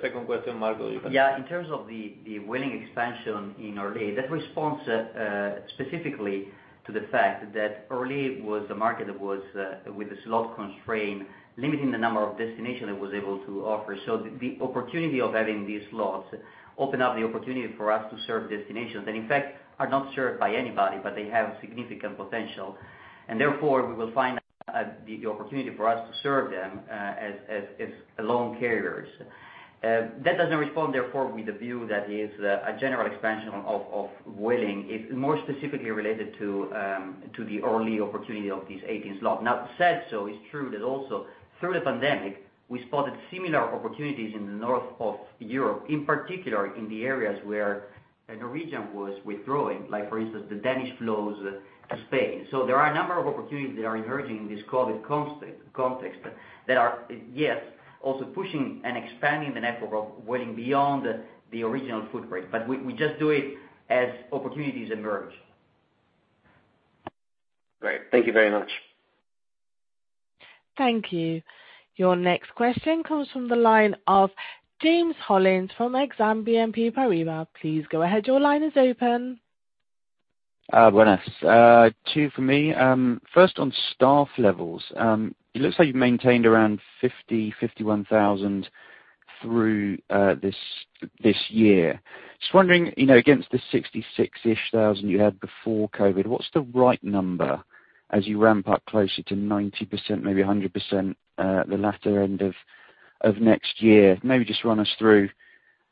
second question, Marco, you can- Yeah, in terms of the Vueling expansion in Orly, that responds specifically to the fact that Orly was a market that was with a slot constraint, limiting the number of destinations it was able to offer. The opportunity of having these slots open up the opportunity for us to serve destinations that in fact are not served by anybody, but they have significant potential. Therefore, we will find the opportunity for us to serve them as alone carriers. That doesn't respond therefore with the view that is a general expansion of Vueling. It's more specifically related to the Orly opportunity of these 18 slots. Now, that said, it's true that also through the pandemic, we spotted similar opportunities in the north of Europe, in particular in the areas where Norwegian was withdrawing. Like for instance, the Danish flows to Spain. There are a number of opportunities that are emerging in this COVID context, but that are, yes, also pushing and expanding the network of Vueling beyond the original footprint. We just do it as opportunities emerge. Great. Thank you very much. Thank you. Your next question comes from the line of James Hollins from Exane BNP Paribas. Please go ahead. Your line is open. [Buenas.] Two for me. First on staff levels. It looks like you've maintained around 50-51,000 through this year. Just wondering, you know, against the 66,000-ish you had before COVID, what's the right number as you ramp up closer to 90%, maybe 100%, the latter end of next year? Maybe just run us through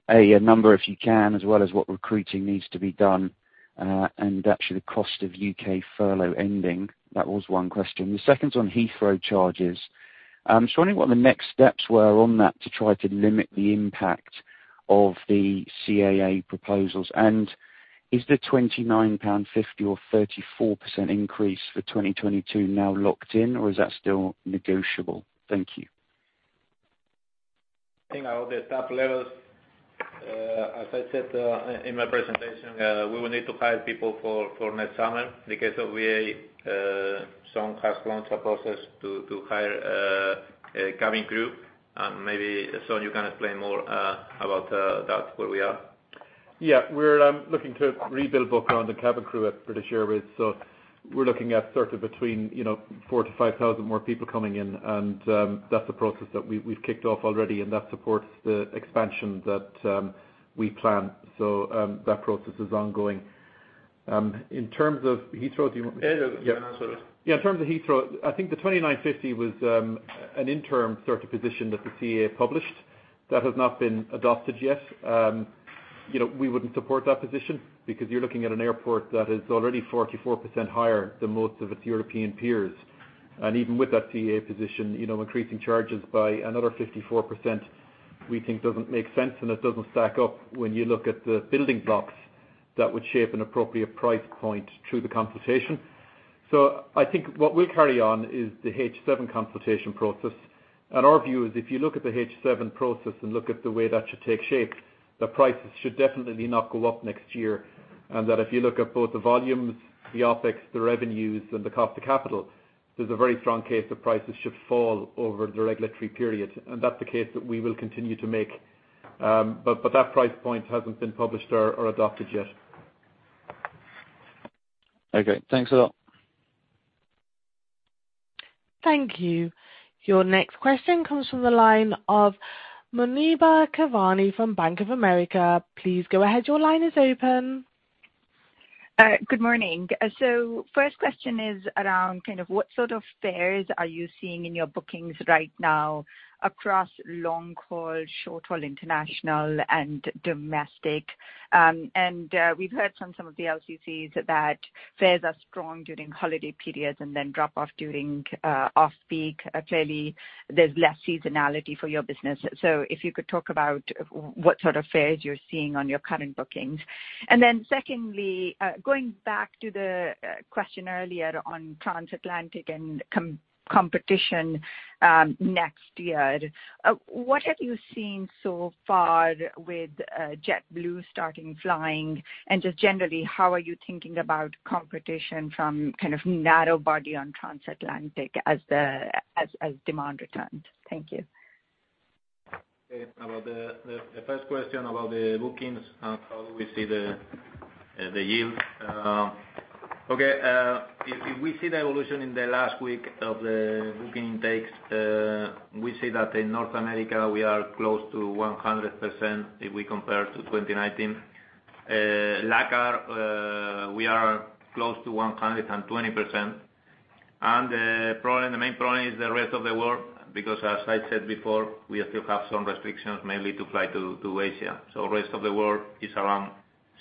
a number if you can, as well as what recruiting needs to be done, and actually the cost of U.K. furlough ending. That was one question. The second's on Heathrow charges. Just wondering what the next steps were on that to try to limit the impact of the CAA proposals. Is the £29.50 or 34% increase for 2022 now locked in, or is that still negotiable? Thank you. Think about the staff levels, as I said, in my presentation, we will need to hire people for next summer. In the case of VA, Sean has launched a process to hire a cabin crew. Maybe, Sean, you can explain more about that, where we are. We're looking to rebuild both ground and cabin crew at British Airways. We're looking at sort of between, you know, 4,000-5,000 more people coming in. That's the process that we've kicked off already, and that supports the expansion that we plan. That process is ongoing. In terms of Heathrow, do you want me- Yeah. You can answer it. Yeah. In terms of Heathrow, I think the 29.50 was an interim sort of position that the CAA published that has not been adopted yet. You know, we wouldn't support that position because you're looking at an airport that is already 44% higher than most of its European peers. Even with that CAA position, you know, increasing charges by another 54% we think doesn't make sense, and it doesn't stack up when you look at the building blocks that would shape an appropriate price point through the consultation. I think what we'll carry on is the H7 consultation process. Our view is if you look at the H7 process and look at the way that should take shape, the prices should definitely not go up next year. that if you look at both the volumes, the OpEx, the revenues, and the cost of capital, there's a very strong case that prices should fall over the regulatory period. That's the case that we will continue to make. But that price point hasn't been published or adopted yet. Okay. Thanks a lot. Thank you. Your next question comes from the line of Muneeba Kayani from Bank of America. Please go ahead. Your line is open. Good morning. First question is around kind of what sort of fares are you seeing in your bookings right now across long-haul, short-haul, international, and domestic? We've heard from some of the LCCs that fares are strong during holiday periods and then drop off during off-peak. Clearly, there's less seasonality for your business. If you could talk about what sort of fares you're seeing on your current bookings. Secondly, going back to the question earlier on transatlantic and competition next year. What have you seen so far with JetBlue starting flying? Just generally, how are you thinking about competition from kind of narrow body on transatlantic as the demand returns? Thank you. About the first question about the bookings and how do we see the yield. If we see the evolution in the last week of the booking intakes, we see that in North America we are close to 100% if we compare to 2019. LACAR, we are close to 120%. The problem, the main problem is the rest of the world, because as I said before, we still have some restrictions mainly to fly to Asia. Rest of the world is around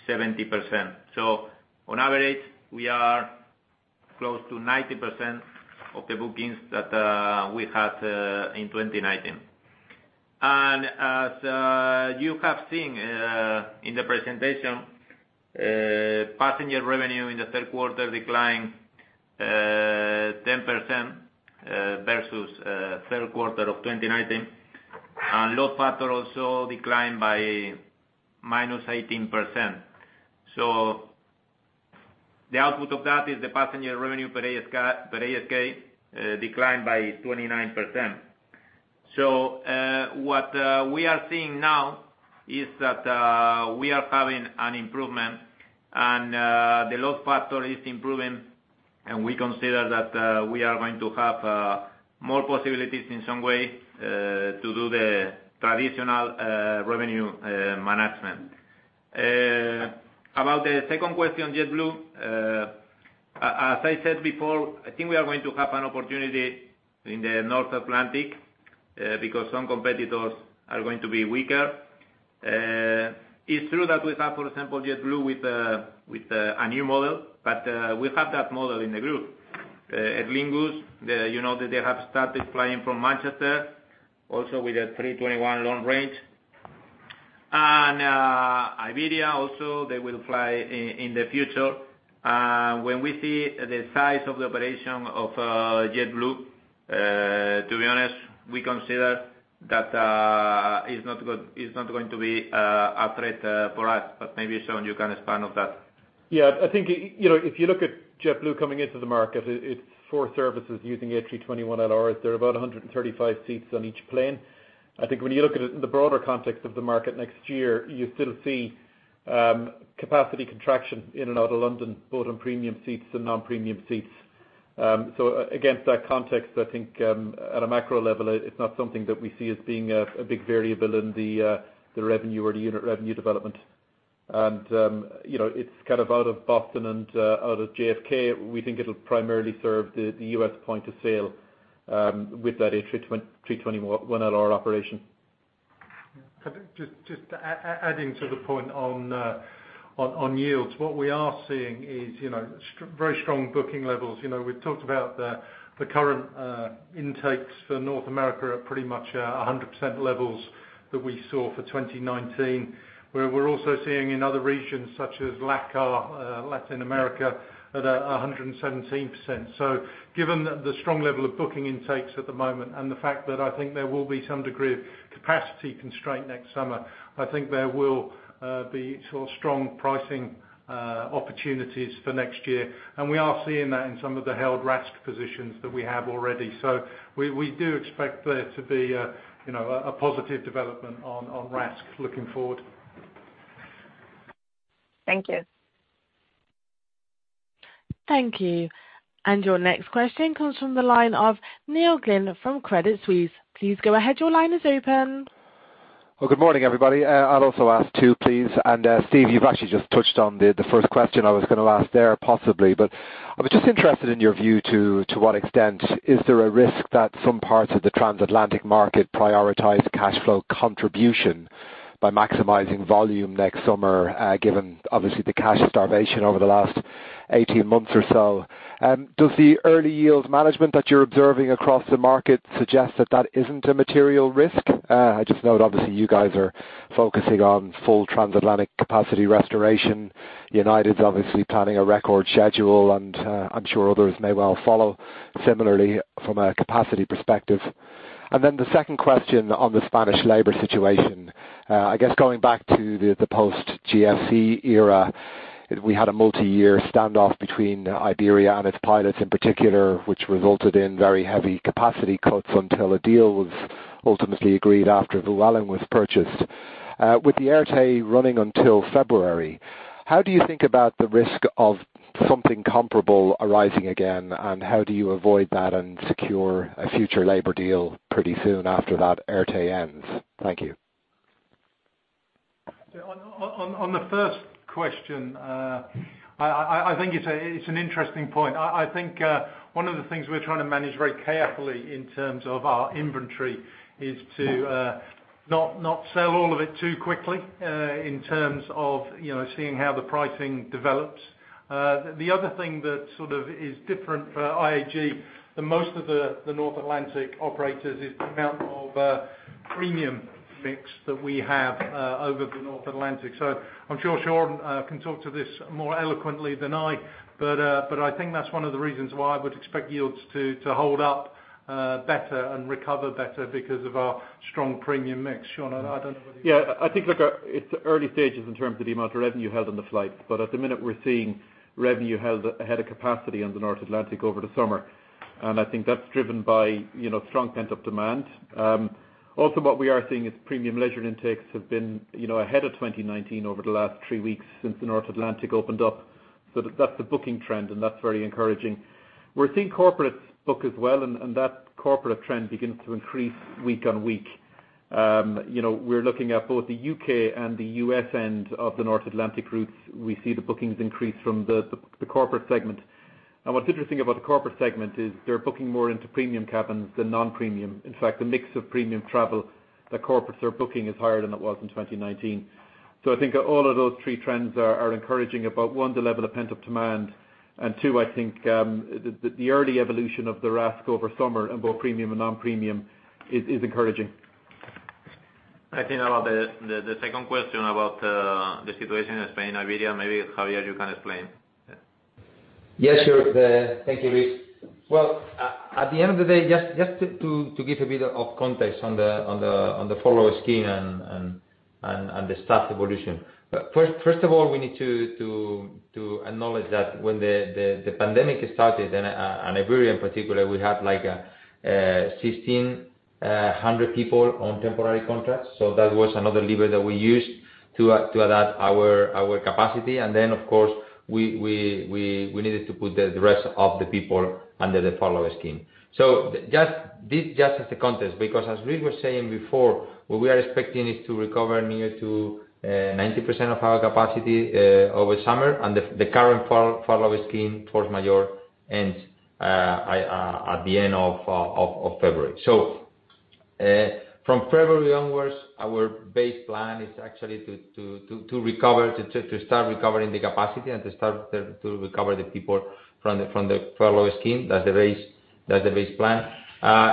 70%. On average, we are close to 90% of the bookings that we had in 2019. As you have seen in the presentation, passenger revenue in the third quarter declined 10% versus third quarter of 2019. Load factor also declined by -18%. The output of that is the passenger revenue per ASK declined by 29%. What we are seeing now is that we are having an improvement and the load factor is improving, and we consider that we are going to have more possibilities in some way to do the traditional revenue management. About the second question, JetBlue. As I said before, I think we are going to have an opportunity in the North Atlantic because some competitors are going to be weaker. It's true that we have, for example, JetBlue with a new model, but we have that model in the group. At Aer Lingus, you know, that they have started flying from Manchester, also with an A321LR. Iberia also, they will fly in the future. When we see the size of the operation of JetBlue, to be honest, we consider that is not going to be a threat for us, but maybe Sean you can expand on that. Yeah. I think, you know, if you look at JetBlue coming into the market, it's four services using A321LRs. There are about 135 seats on each plane. I think when you look at it in the broader context of the market next year, you still see capacity contraction in and out of London, both in premium seats and non-premium seats. So against that context, I think, at a macro level, it's not something that we see as being a big variable in the revenue or the unit revenue development. You know, it's kind of out of Boston and out of JFK, we think it'll primarily serve the U.S. point of sale, with that A320-A321LR operation. Adding to the point on yields. What we are seeing is, you know, very strong booking levels. You know, we've talked about the current intakes for North America are pretty much 100% levels that we saw for 2019, where we're also seeing in other regions such as LACAR, Latin America at 117%. Given the strong level of booking intakes at the moment and the fact that I think there will be some degree of capacity constraint next summer, I think there will be sort of strong pricing opportunities for next year. We are seeing that in some of the held RASK positions that we have already. We do expect there to be, you know, a positive development on RASK looking forward. Thank you. Thank you. And your next question comes from the line of Neil Glynn from Credit Suisse. Please go ahead. Your line is open. Well, good morning, everybody. I'll also ask too, please. Steve, you've actually just touched on the first question I was gonna ask there, possibly. I was just interested in your view to what extent is there a risk that some parts of the transatlantic market prioritize cash flow contribution by maximizing volume next summer, given obviously the cash starvation over the last eighteen months or so? Does the early yield management that you're observing across the market suggest that isn't a material risk? I just know that obviously you guys are focusing on full transatlantic capacity restoration. United's obviously planning a record schedule, and I'm sure others may well follow similarly from a capacity perspective. Then the second question on the Spanish labor situation, I guess going back to the post GFC era, we had a multiyear standoff between Iberia and its pilots in particular, which resulted in very heavy capacity cuts until a deal was ultimately agreed after Vueling was purchased. With the ERTE running until February, how do you think about the risk of something comparable arising again? How do you avoid that and secure a future labor deal pretty soon after that ERTE ends? Thank you. On the first question, I think it's an interesting point. I think one of the things we're trying to manage very carefully in terms of our inventory is to not sell all of it too quickly in terms of you know seeing how the pricing develops. The other thing that sort of is different for IAG than most of the North Atlantic operators is the amount of premium mix that we have over the North Atlantic. I'm sure Sean can talk to this more eloquently than I, but I think that's one of the reasons why I would expect yields to hold up better and recover better because of our strong premium mix. Sean, I don't know whether you- I think, look, it's early stages in terms of the amount of revenue held on the flights. At the minute, we're seeing revenue held ahead of capacity on the North Atlantic over the summer. I think that's driven by, you know, strong pent-up demand. Also what we are seeing is premium leisure intakes have been, you know, ahead of 2019 over the last three weeks since the North Atlantic opened up. That, that's the booking trend, and that's very encouraging. We're seeing corporates book as well, that corporate trend begins to increase week-on-week. You know, we're looking at both the U.K. and the U.S. end of the North Atlantic routes. We see the bookings increase from the corporate segment. What's interesting about the corporate segment is they're booking more into premium cabins than non-premium. In fact, the mix of premium travel that corporates are booking is higher than it was in 2019. I think all of those three trends are encouraging about one, the level of pent-up demand, and two, I think, the early evolution of the RASK over summer in both premium and non-premium is encouraging. I think about the second question about the situation in Spain, Iberia. Maybe Javier, you can explain. Yeah. Yes, sure. Thank you, Luis. Well, at the end of the day, just to give a bit of context on the furlough scheme and the staff evolution. First of all, we need to acknowledge that when the pandemic started, and Iberia in particular, we had, like, 1,600 people on temporary contracts. So that was another lever that we used to adapt our capacity. Of course, we needed to put the rest of the people under the furlough scheme. This just as a context because as Luis was saying before, what we are expecting is to recover near to 90% of our capacity over summer and the current furlough scheme, force majeure, ends at the end of February. From February onwards, our base plan is actually to start recovering the capacity and to start to recover the people from the furlough scheme. That's the base plan.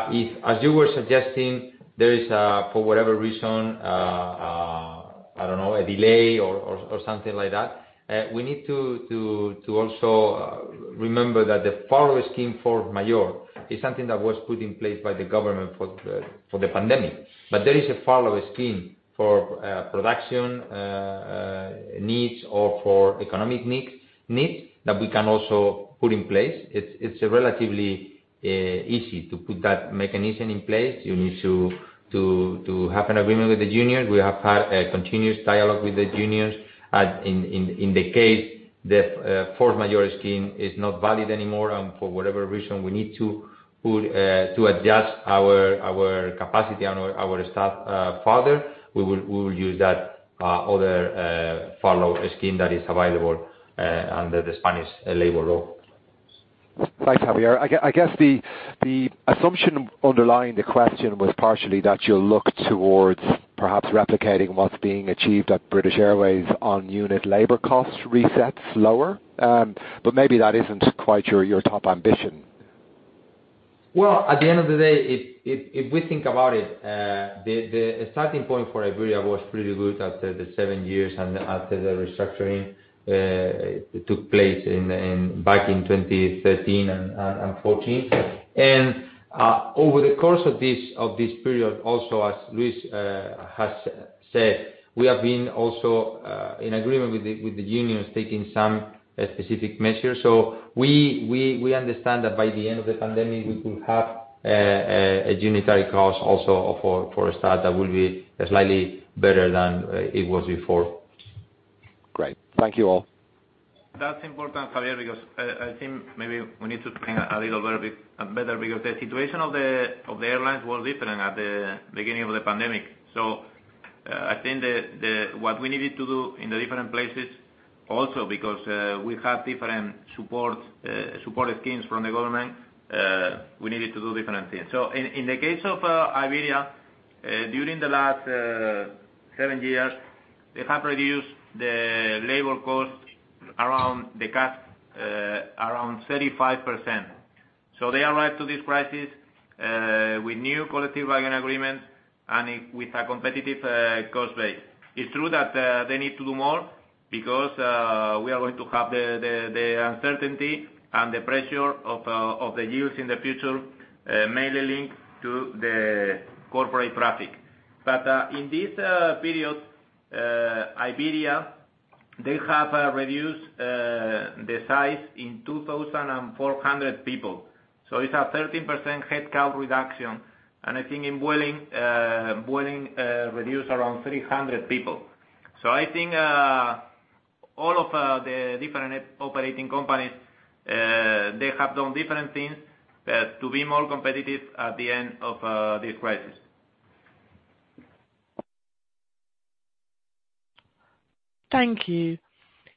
If, as you were suggesting, there is for whatever reason I don't know, a delay or something like that, we need to also remember that the furlough scheme force majeure is something that was put in place by the government for the pandemic. There is a furlough scheme for production needs or for economic needs that we can also put in place. It's relatively easy to put that mechanism in place. You need to have an agreement with the unions. We have had a continuous dialogue with the unions. In the case the force majeure scheme is not valid anymore, and for whatever reason, we need to adjust our capacity and our staff further, we will use that other furlough scheme that is available under the Spanish labor law. Thanks, Javier. I guess the assumption underlying the question was partially that you'll look towards perhaps replicating what's being achieved at British Airways on unit labor cost resets lower. Maybe that isn't quite your top ambition. Well, at the end of the day, if we think about it, the starting point for Iberia was pretty good after the seven years and after the restructuring took place back in 2013 and 2014. Over the course of this period, also as Luis has said, we have been also in agreement with the unions taking some specific measures. We understand that by the end of the pandemic, we will have a unit cost also for staff that will be slightly better than it was before. Great. Thank you, all. That's important, Javier, because I think maybe we need to explain a little bit better because the situation of the airlines was different at the beginning of the pandemic. I think what we needed to do in the different places also because we have different support schemes from the government, we needed to do different things. In the case of Iberia, during the last seven years, they have reduced the labor cost around 35%. They arrived to this crisis with new collective bargaining agreements and with a competitive cost base. It's true that they need to do more because we are going to have the uncertainty and the pressure of the yields in the future, mainly linked to the corporate traffic. In this period, Iberia they have reduced the size in 2,400 people. It's a 13% headcount reduction. I think in Vueling reduced around 300 people. I think all of the different operating companies they have done different things to be more competitive at the end of this crisis. Thank you.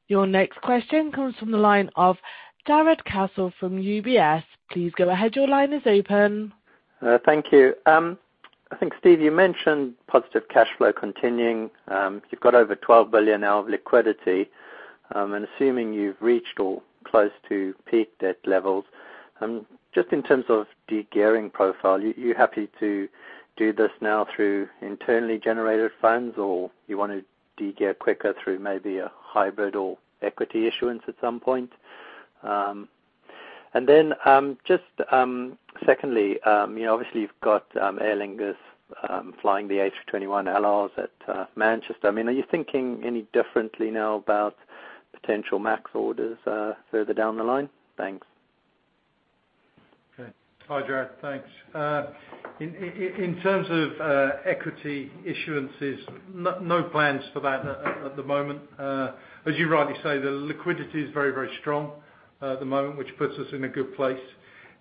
Your next question comes from the line of Jarrod Castle from UBS. Please go ahead. Your line is open. Thank you. I think, Steve, you mentioned positive cash flow continuing. You've got over 12 billion now of liquidity, and assuming you've reached or close to peak debt levels, just in terms of de-gearing profile, you happy to do this now through internally generated funds, or you wanna de-gear quicker through maybe a hybrid or equity issuance at some point? And then, just, secondly, you know, obviously you've got Aer Lingus flying the A321LR at Manchester. I mean, are you thinking any differently now about potential MAX orders further down the line? Thanks. Okay. Hi, Jarrod. Thanks. In terms of equity issuances, no plans for that at the moment. As you rightly say, the liquidity is very, very strong at the moment, which puts us in a good place.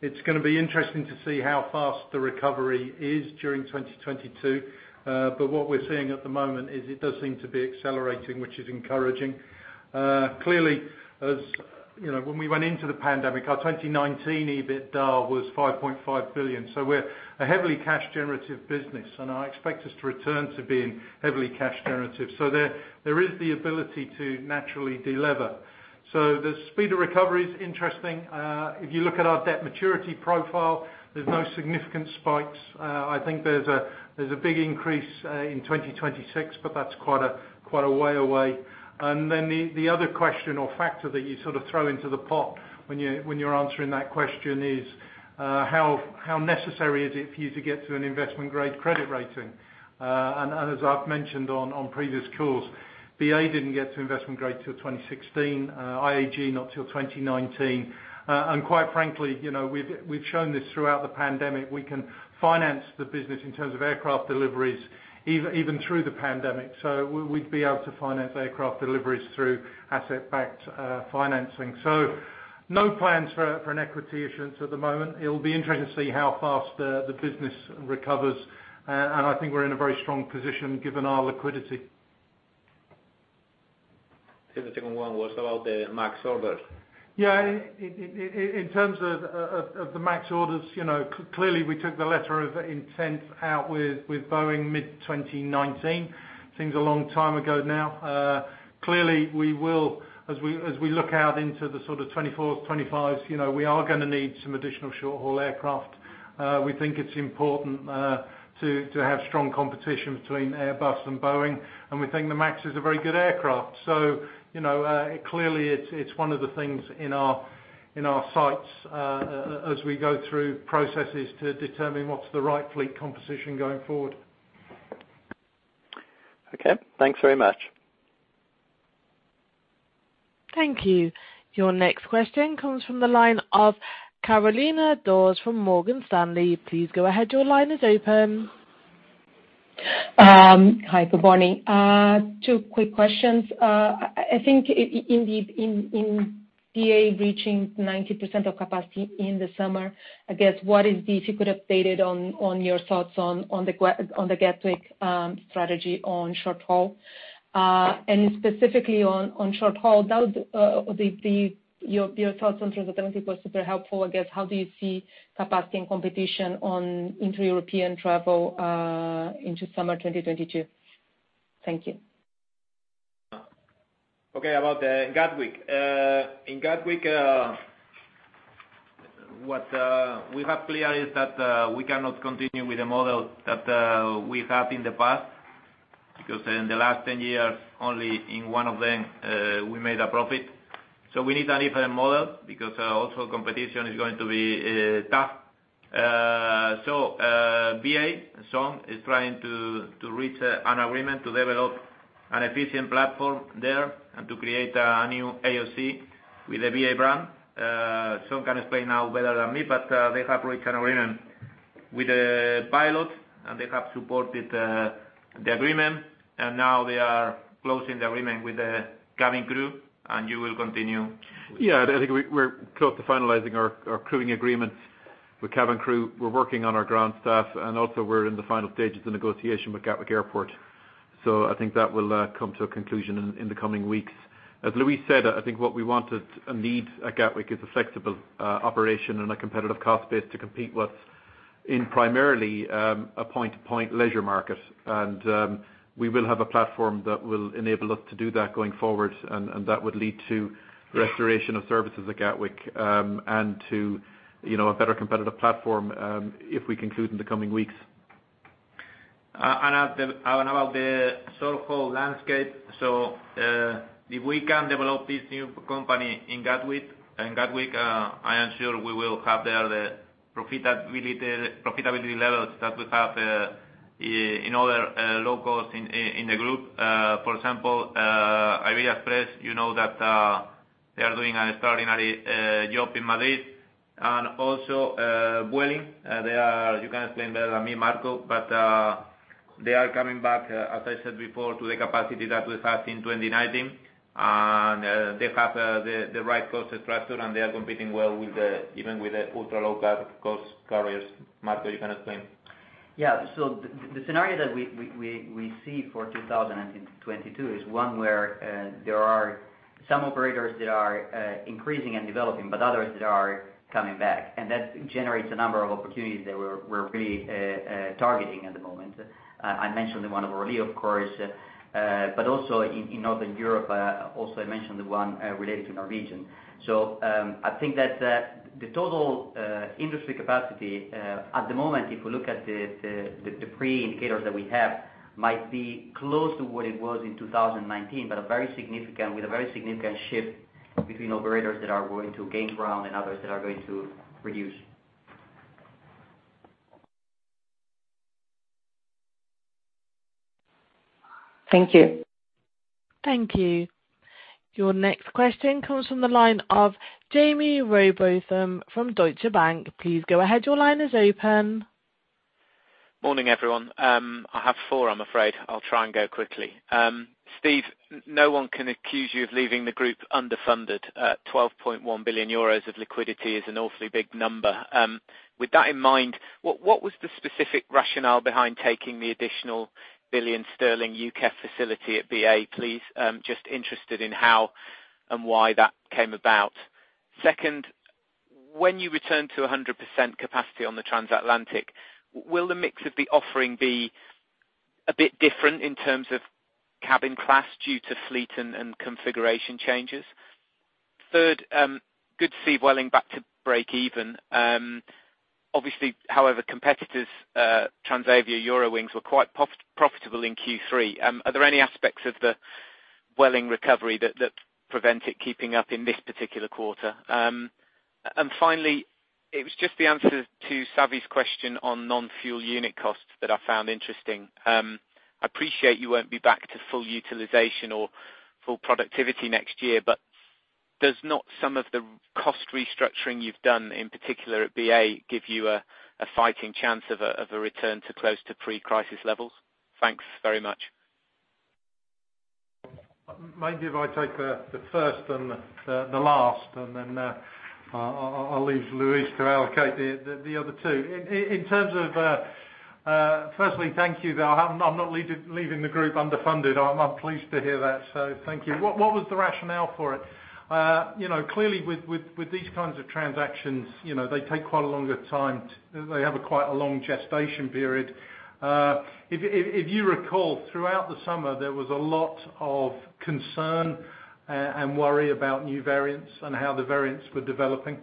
It's gonna be interesting to see how fast the recovery is during 2022. What we're seeing at the moment is it does seem to be accelerating, which is encouraging. Clearly, you know, when we went into the pandemic, our 2019 EBITDAL was 5.5 billion. We're a heavily cash generative business, and I expect us to return to being heavily cash generative. There is the ability to naturally de-lever. The speed of recovery is interesting. If you look at our debt maturity profile, there's no significant spikes. I think there's a big increase in 2026, but that's quite a way away. Then the other question or factor that you sort of throw into the pot when you're answering that question is, how necessary is it for you to get to an investment-grade credit rating? As I've mentioned on previous calls, BA didn't get to investment grade till 2016, IAG not till 2019. Quite frankly, you know, we've shown this throughout the pandemic, we can finance the business in terms of aircraft deliveries even through the pandemic. We'd be able to finance aircraft deliveries through asset-backed financing. No plans for an equity issuance at the moment. It'll be interesting to see how fast the business recovers. I think we're in a very strong position given our liquidity. The second one was about the MAX orders. In terms of the MAX orders, you know, clearly we took the letter of intent out with Boeing mid-2019. Seems a long time ago now. Clearly, we will, as we look out into the sort of 2024, 2025s, you know, we are gonna need some additional short-haul aircraft. We think it's important to have strong competition between Airbus and Boeing, and we think the MAX is a very good aircraft. You know, clearly it's one of the things in our sights as we go through processes to determine what's the right fleet composition going forward. Okay. Thanks very much. Thank you. Your next question comes from the line of Carolina Dores from Morgan Stanley. Please go ahead, your line is open. Hi, good morning. Two quick questions. I think in BA reaching 90% of capacity in the summer, I guess, if you could update on your thoughts on the Gatwick strategy on short-haul. And specifically on short-haul, your thoughts on transatlantic was super helpful. I guess, how do you see capacity and competition on inter-European travel into summer 2022? Thank you. Okay. About Gatwick. In Gatwick, what is clear is that we cannot continue with the model that we had in the past, because in the last 10 years, only in one of them we made a profit. We need a different model because also competition is going to be tough. BA, Sean, is trying to reach an agreement to develop an efficient platform there and to create a new AOC with the BA brand. Sean can explain now better than me, but they have reached an agreement with the pilots, and they have supported the agreement, and now they are closing the agreement with the cabin crew, and you will continue. Yeah. I think we're close to finalizing our crewing agreements with cabin crew. We're working on our ground staff, and also we're in the final stages of negotiation with Gatwick Airport. I think that will come to a conclusion in the coming weeks. As Luis said, I think what we want and need at Gatwick is a flexible operation and a competitive cost base to compete with in primarily a point-to-point leisure market. We will have a platform that will enable us to do that going forward, and that would lead to restoration of services at Gatwick, and to you know a better competitive platform, if we conclude in the coming weeks. About the short-haul landscape, if we can develop this new company in Gatwick, I am sure we will have there the profitability levels that we have in other low costs in the group. For example, Iberia Express, you know that they are doing an extraordinary job in Madrid. Also, Vueling. You can explain better than me, Marco, but they are coming back, as I said before, to the capacity that we had in 2019. They have the right cost structure, and they are competing well with even the ultra low cost carriers. Marco, you can explain. The scenario that we see for 2022 is one where there are- Some operators that are increasing and developing, but others that are coming back. That generates a number of opportunities that we're really targeting at the moment. I mentioned the one of Orly, of course, but also in Northern Europe, also I mentioned the one related to Norwegian. I think that the total industry capacity at the moment, if we look at the preliminary indicators that we have, might be close to what it was in 2019, but with a very significant shift between operators that are going to gain ground and others that are going to reduce. Thank you. Thank you. Your next question comes from the line of Jaime Rowbotham from Deutsche Bank. Please go ahead. Your line is open. Morning, everyone. I have four, I'm afraid. I'll try and go quickly. Steve, no one can accuse you of leaving the group underfunded. 12.1 billion euros of liquidity is an awfully big number. With that in mind, what was the specific rationale behind taking the additional 1 billion sterling UKEF facility at BA, please? Just interested in how and why that came about. Second, when you return to 100% capacity on the transatlantic, will the mix of the offering be a bit different in terms of cabin class due to fleet and configuration changes? Third, good to see Vueling back to break even. Obviously, however, competitors Transavia Eurowings were quite profitable in Q3. Are there any aspects of the Vueling recovery that prevent it keeping up in this particular quarter? Finally, it was just the answer to Savi's question on non-fuel unit costs that I found interesting. I appreciate you won't be back to full utilization or full productivity next year, but does not some of the cost restructuring you've done, in particular at BA, give you a fighting chance of a return to close to pre-crisis levels? Thanks very much. Maybe if I take the first and the last, and then, I'll leave Luis to allocate the other two. In terms of, firstly, thank you. I'm not leaving the group underfunded. I'm pleased to hear that. So thank you. What was the rationale for it? You know, clearly with these kinds of transactions, you know, they take quite a longer time. They have a quite long gestation period. If you recall, throughout the summer, there was a lot of concern and worry about new variants and how the variants were developing.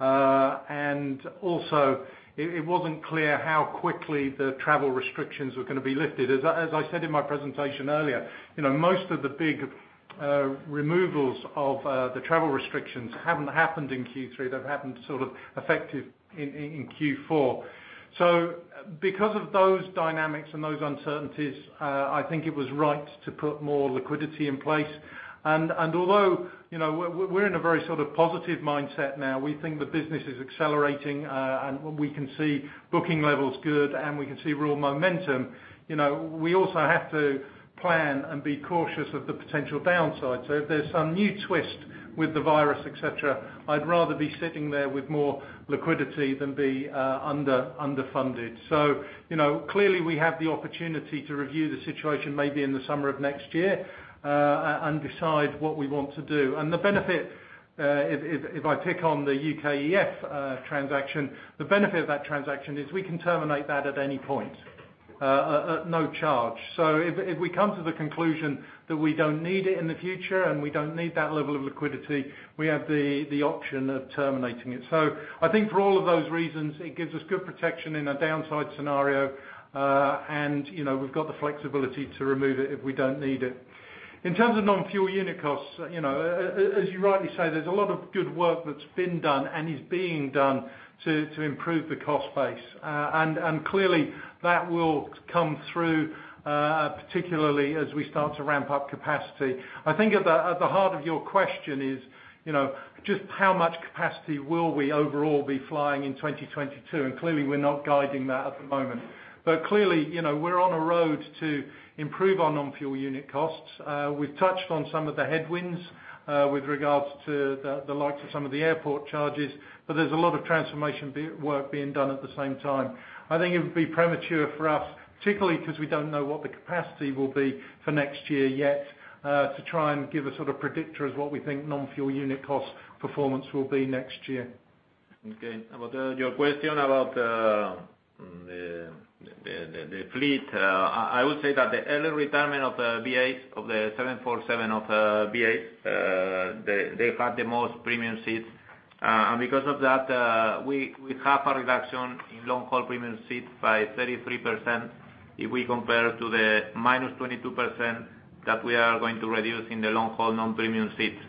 Also it wasn't clear how quickly the travel restrictions were gonna be lifted. As I said in my presentation earlier, you know, most of the big removals of the travel restrictions haven't happened in Q3, they've happened sort of effective in Q4. Because of those dynamics and those uncertainties, I think it was right to put more liquidity in place. Although, you know, we're in a very sort of positive mindset now, we think the business is accelerating, and we can see booking levels good, and we can see real momentum, you know, we also have to plan and be cautious of the potential downside. If there's some new twist with the virus, et cetera, I'd rather be sitting there with more liquidity than be under-funded. You know, clearly, we have the opportunity to review the situation maybe in the summer of next year and decide what we want to do. The benefit, if I pick on the UKEF transaction, the benefit of that transaction is we can terminate that at any point at no charge. If we come to the conclusion that we don't need it in the future and we don't need that level of liquidity, we have the option of terminating it. I think for all of those reasons, it gives us good protection in a downside scenario, and you know, we've got the flexibility to remove it if we don't need it. In terms of non-fuel unit costs, you know, as you rightly say, there's a lot of good work that's been done and is being done to improve the cost base. Clearly that will come through, particularly as we start to ramp up capacity. I think at the heart of your question is, you know, just how much capacity will we overall be flying in 2022? Clearly, we're not guiding that at the moment. Clearly, you know, we're on a road to improve our non-fuel unit costs. We've touched on some of the headwinds with regards to the likes of some of the airport charges, but there's a lot of transformation work being done at the same time. I think it would be premature for us, particularly 'cause we don't know what the capacity will be for next year yet, to try and give a sort of predictor as what we think non-fuel unit cost performance will be next year. Okay. About your question about the fleet. I would say that the early retirement of the BA 747s of BA. They had the most premium seats. Because of that, we have a reduction in long-haul premium seats by 33% if we compare to the -22% that we are going to reduce in the long-haul non-premium seats.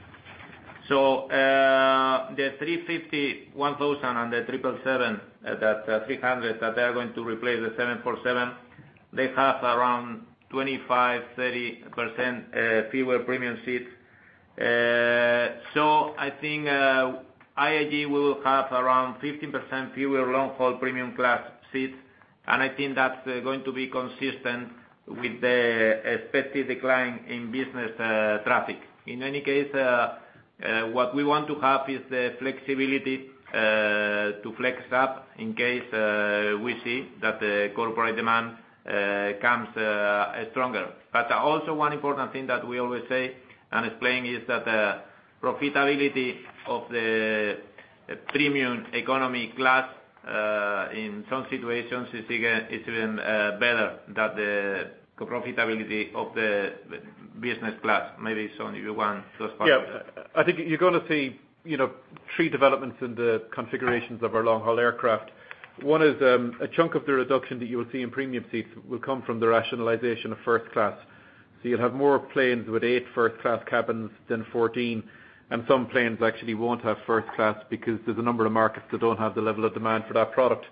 The A350-1000 on the 777-300 that they are going to replace the 747 have around 25%-30% fewer premium seats. I think IAG will have around 15% fewer long-haul premium class seats, and I think that's going to be consistent with the expected decline in business traffic. In any case, what we want to have is the flexibility. To flex up in case we see that the corporate demand comes stronger. Also one important thing that we always say and explain is that the profitability of the premium economy class in some situations is even better than the profitability of the business class. Maybe, Sean Doyle, if you want those parts. Yeah. I think you're gonna see, you know, three developments in the configurations of our long-haul aircraft. One is a chunk of the reduction that you will see in premium seats will come from the rationalization of first-class. You'll have more planes with eight first-class cabins than 14, and some planes actually won't have first-class because there's a number of markets that don't have the level of demand for that product.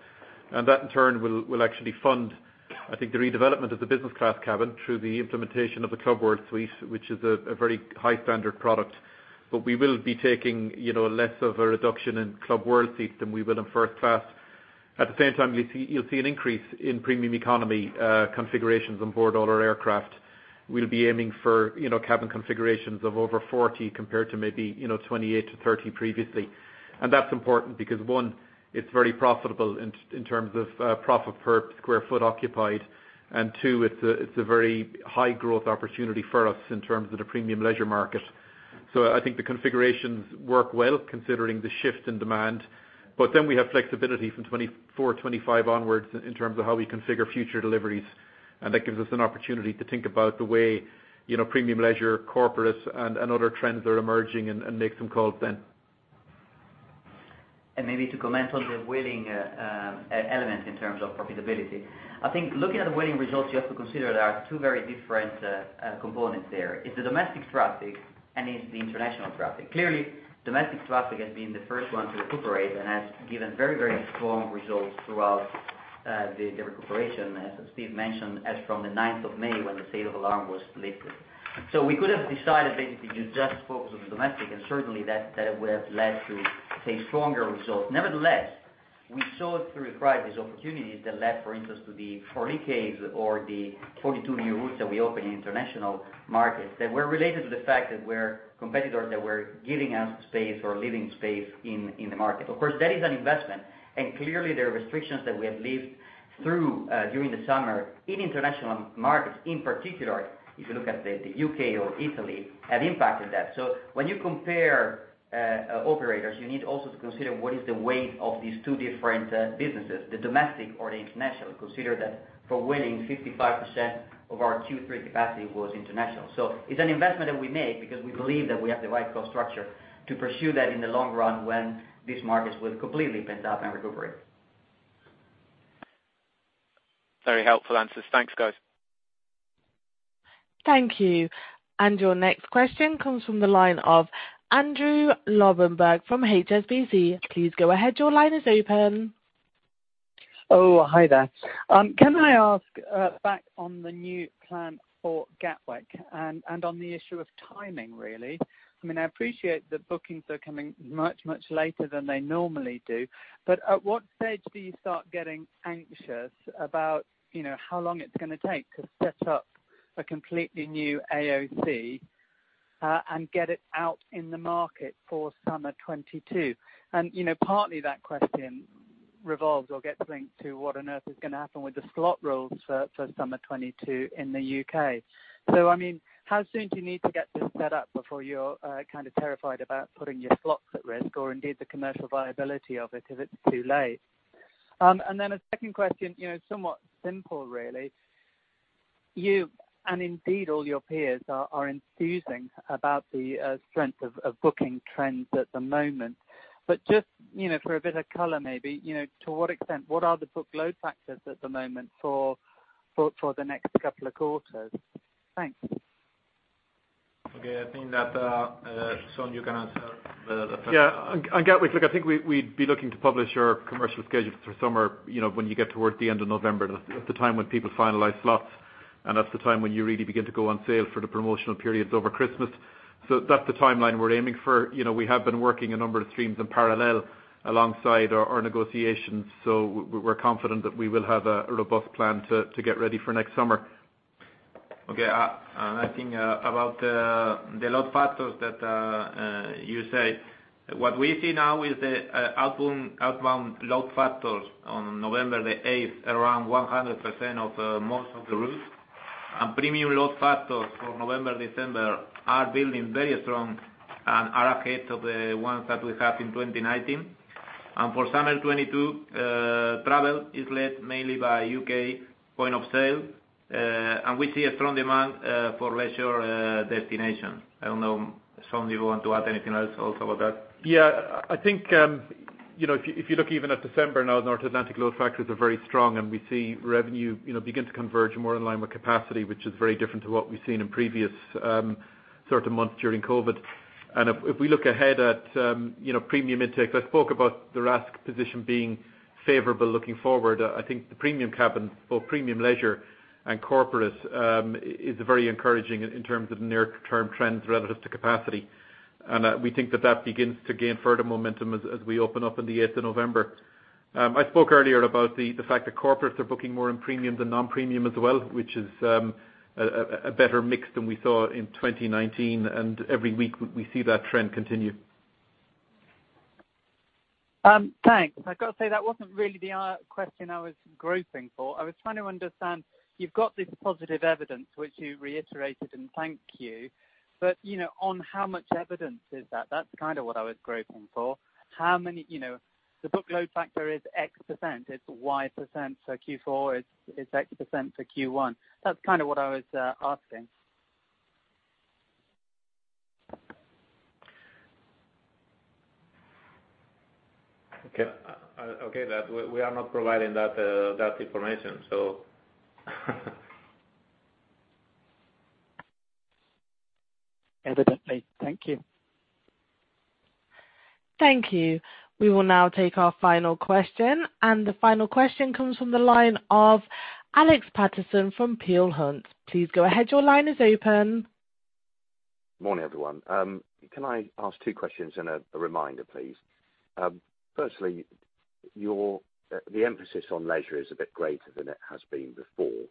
That in turn will actually fund, I think, the redevelopment of the business class cabin through the implementation of the Club World suite, which is a very high standard product. We will be taking, you know, less of a reduction in Club World seats than we will in first-class. At the same time, you'll see an increase in premium economy configurations on board all our aircraft. We'll be aiming for, you know, cabin configurations of over 40 compared to maybe, you know, 28-30 previously. That's important because one, it's very profitable in terms of profit per square foot occupied. Two, it's a very high growth opportunity for us in terms of the premium leisure market. I think the configurations work well considering the shift in demand. We have flexibility from 2024, 2025 onwards in terms of how we configure future deliveries, and that gives us an opportunity to think about the way, you know, premium leisure corporate and other trends that are emerging and make some calls then. Maybe to comment on the weighting element in terms of profitability. I think looking at the weighting results, you have to consider there are two very different components there. It's the domestic traffic and it's the international traffic. Clearly, domestic traffic has been the first one to recuperate and has given very, very strong results throughout the recuperation, as Steve mentioned, as from the ninth of May, when the state of alarm was lifted. We could have decided basically to just focus on the domestic, and certainly that would have led to stronger results. Nevertheless, we saw through crisis opportunities that led, for instance, to the 40 Ks or the 42 new routes that we opened in international markets that were related to the fact that our competitors were giving us space or leaving space in the market. Of course, that is an investment, and clearly there are restrictions that we have lived through during the summer in international markets, in particular, if you look at the U.K. or Italy, have impacted that. When you compare operators, you need also to consider what is the weight of these two different businesses, the domestic or the international. Consider that for weighting 55% of our Q3 capacity was international. It's an investment that we made because we believe that we have the right cost structure to pursue that in the long run when these markets will completely open up and recuperate. Very helpful answers. Thanks, guys. Thank you. Your next question comes from the line of Andrew Lobbenberg from HSBC. Please go ahead. Your line is open. Oh, hi there. Can I ask back on the new plan for Gatwick and on the issue of timing, really? I mean, I appreciate that bookings are coming much, much later than they normally do, but at what stage do you start getting anxious about, you know, how long it's gonna take to set up a completely new AOC and get it out in the market for summer 2022? You know, partly that question revolves or gets linked to what on earth is gonna happen with the slot rules for summer 2022 in the U.K. I mean, how soon do you need to get this set up before you're kind of terrified about putting your slots at risk or indeed the commercial viability of it if it's too late? A second question, you know, somewhat simple really. You, and indeed all your peers are enthusing about the strength of booking trends at the moment. Just, you know, for a bit of color maybe, you know, to what extent, what are the booked load factors at the moment for the next couple of quarters? Thanks. Okay. I think that, Sean, you can answer the first- Yeah. On Gatwick, look, I think we'd be looking to publish our commercial schedule for summer, you know, when you get towards the end of November. That's the time when people finalize slots, and that's the time when you really begin to go on sale for the promotional periods over Christmas. That's the timeline we're aiming for. You know, we have been working a number of streams in parallel alongside our negotiations, so we're confident that we will have a robust plan to get ready for next summer. Okay. I think about the load factors that you say, what we see now is the outbound load factors on November 8 around 100% of most of the routes. Premium load factors for November, December are building very strong and are ahead of the ones that we had in 2019. For summer 2022, travel is led mainly by U.K. point of sale. We see a strong demand for leisure destinations. I don't know, Sean, you want to add anything else also about that? Yeah. I think, you know, if you look even at December now, North Atlantic load factors are very strong and we see revenue, you know, begin to converge more in line with capacity, which is very different to what we've seen in previous, sort of months during COVID. If we look ahead at, you know, premium intake, I spoke about the RASK position being favorable looking forward. I think the premium cabins, both premium leisure and corporate, is very encouraging in terms of near term trends relative to capacity. We think that that begins to gain further momentum as we open up on the 8 of November. I spoke earlier about the fact that corporates are booking more in premium than non-premium as well, which is a better mix than we saw in 2019. Every week we see that trend continue. Thanks. I've got to say that wasn't really the question I was groping for. I was trying to understand, you've got this positive evidence which you reiterated, and thank you. You know, on how much evidence is that? That's kind of what I was groping for. How many... You know, the booked load factor is X%, it's Y% for Q4, it's X% for Q1. That's kind of what I was asking. Okay. That we are not providing that information so. Evidently. Thank you. Thank you. We will now take our final question, and the final question comes from the line of Alex Paterson from Peel Hunt. Please go ahead. Your line is open. Morning, everyone. Can I ask two questions and a reminder, please? Firstly, the emphasis on leisure is a bit greater than it has been before,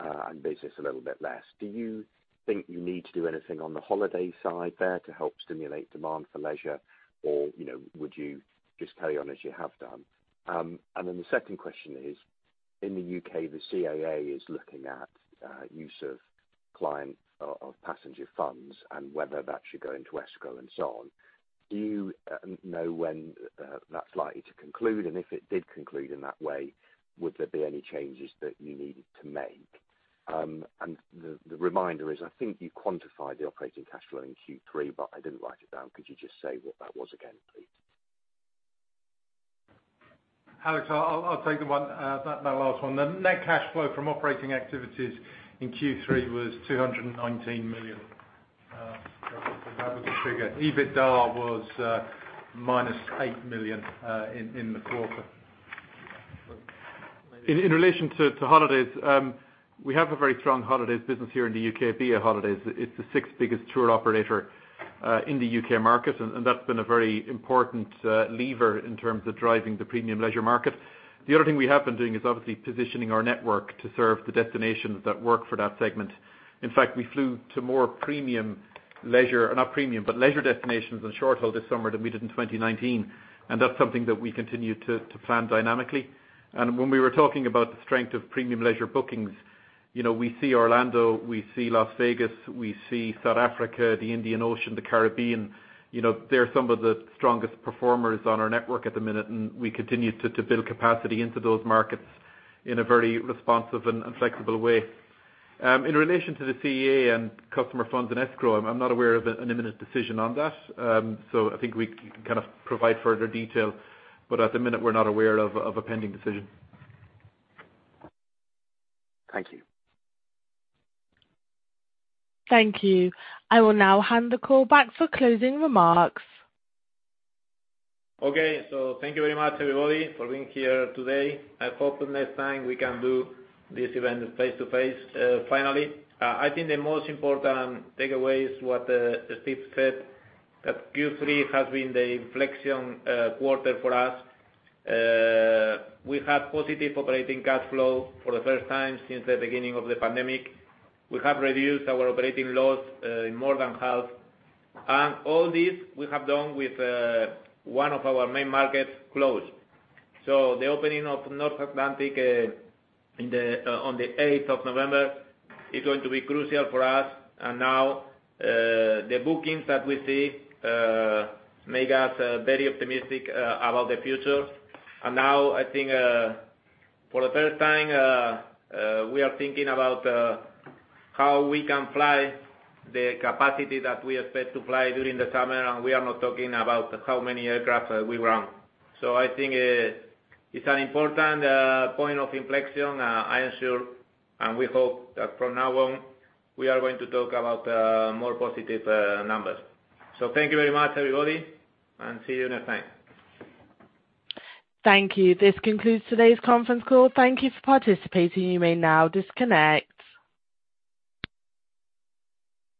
and business a little bit less. Do you think you need to do anything on the holiday side there to help stimulate demand for leisure or, you know, would you just carry on as you have done? And then the second question is, in the U.K., the CAA is looking at use of clients' or passenger funds and whether that should go into escrow and so on. Do you know when that's likely to conclude? And if it did conclude in that way, would there be any changes that you needed to make? The reminder is, I think you quantified the operating cash flow in Q3, but I didn't write it down. Could you just say what that was again, please? Alex, I'll take the one that last one. The net cash flow from operating activities in Q3 was 219 million. So that was the figure. EBITDA was -8 million in the quarter. In relation to holidays, we have a very strong holidays business here in the U.K., BA Holidays. It's the sixth biggest tour operator in the U.K. market. That's been a very important lever in terms of driving the premium leisure market. The other thing we have been doing is obviously positioning our network to serve the destinations that work for that segment. In fact, we flew to more premium leisure, not premium, but leisure destinations and short-haul this summer than we did in 2019, and that's something that we continue to plan dynamically. When we were talking about the strength of premium leisure bookings, you know, we see Orlando, we see Las Vegas, we see South Africa, the Indian Ocean, the Caribbean. You know, they're some of the strongest performers on our network at the minute, and we continue to build capacity into those markets in a very responsive and flexible way. In relation to the CAA and customer funds in escrow, I'm not aware of an imminent decision on that. I think we can kind of provide further detail, but at the minute we're not aware of a pending decision. Thank you. Thank you. I will now hand the call back for closing remarks. Okay. Thank you very much everybody for being here today. I hope the next time we can do this event face-to-face, finally. I think the most important takeaway is what Steve said, that Q3 has been the inflection quarter for us. We have positive operating cash flow for the first time since the beginning of the pandemic. We have reduced our operating loss in more than half. All this we have done with one of our main markets closed. The opening of North Atlantic on the 8 of November is going to be crucial for us. Now, the bookings that we see make us very optimistic about the future. Now, I think, for the first time, we are thinking about how we can fly the capacity that we expect to fly during the summer, and we are not talking about how many aircraft we run. I think it's an important point of inflection. I am sure and we hope that from now on we are going to talk about more positive numbers. Thank you very much, everybody, and see you next time. Thank you. This concludes today's conference call. Thank you for participating. You may now disconnect.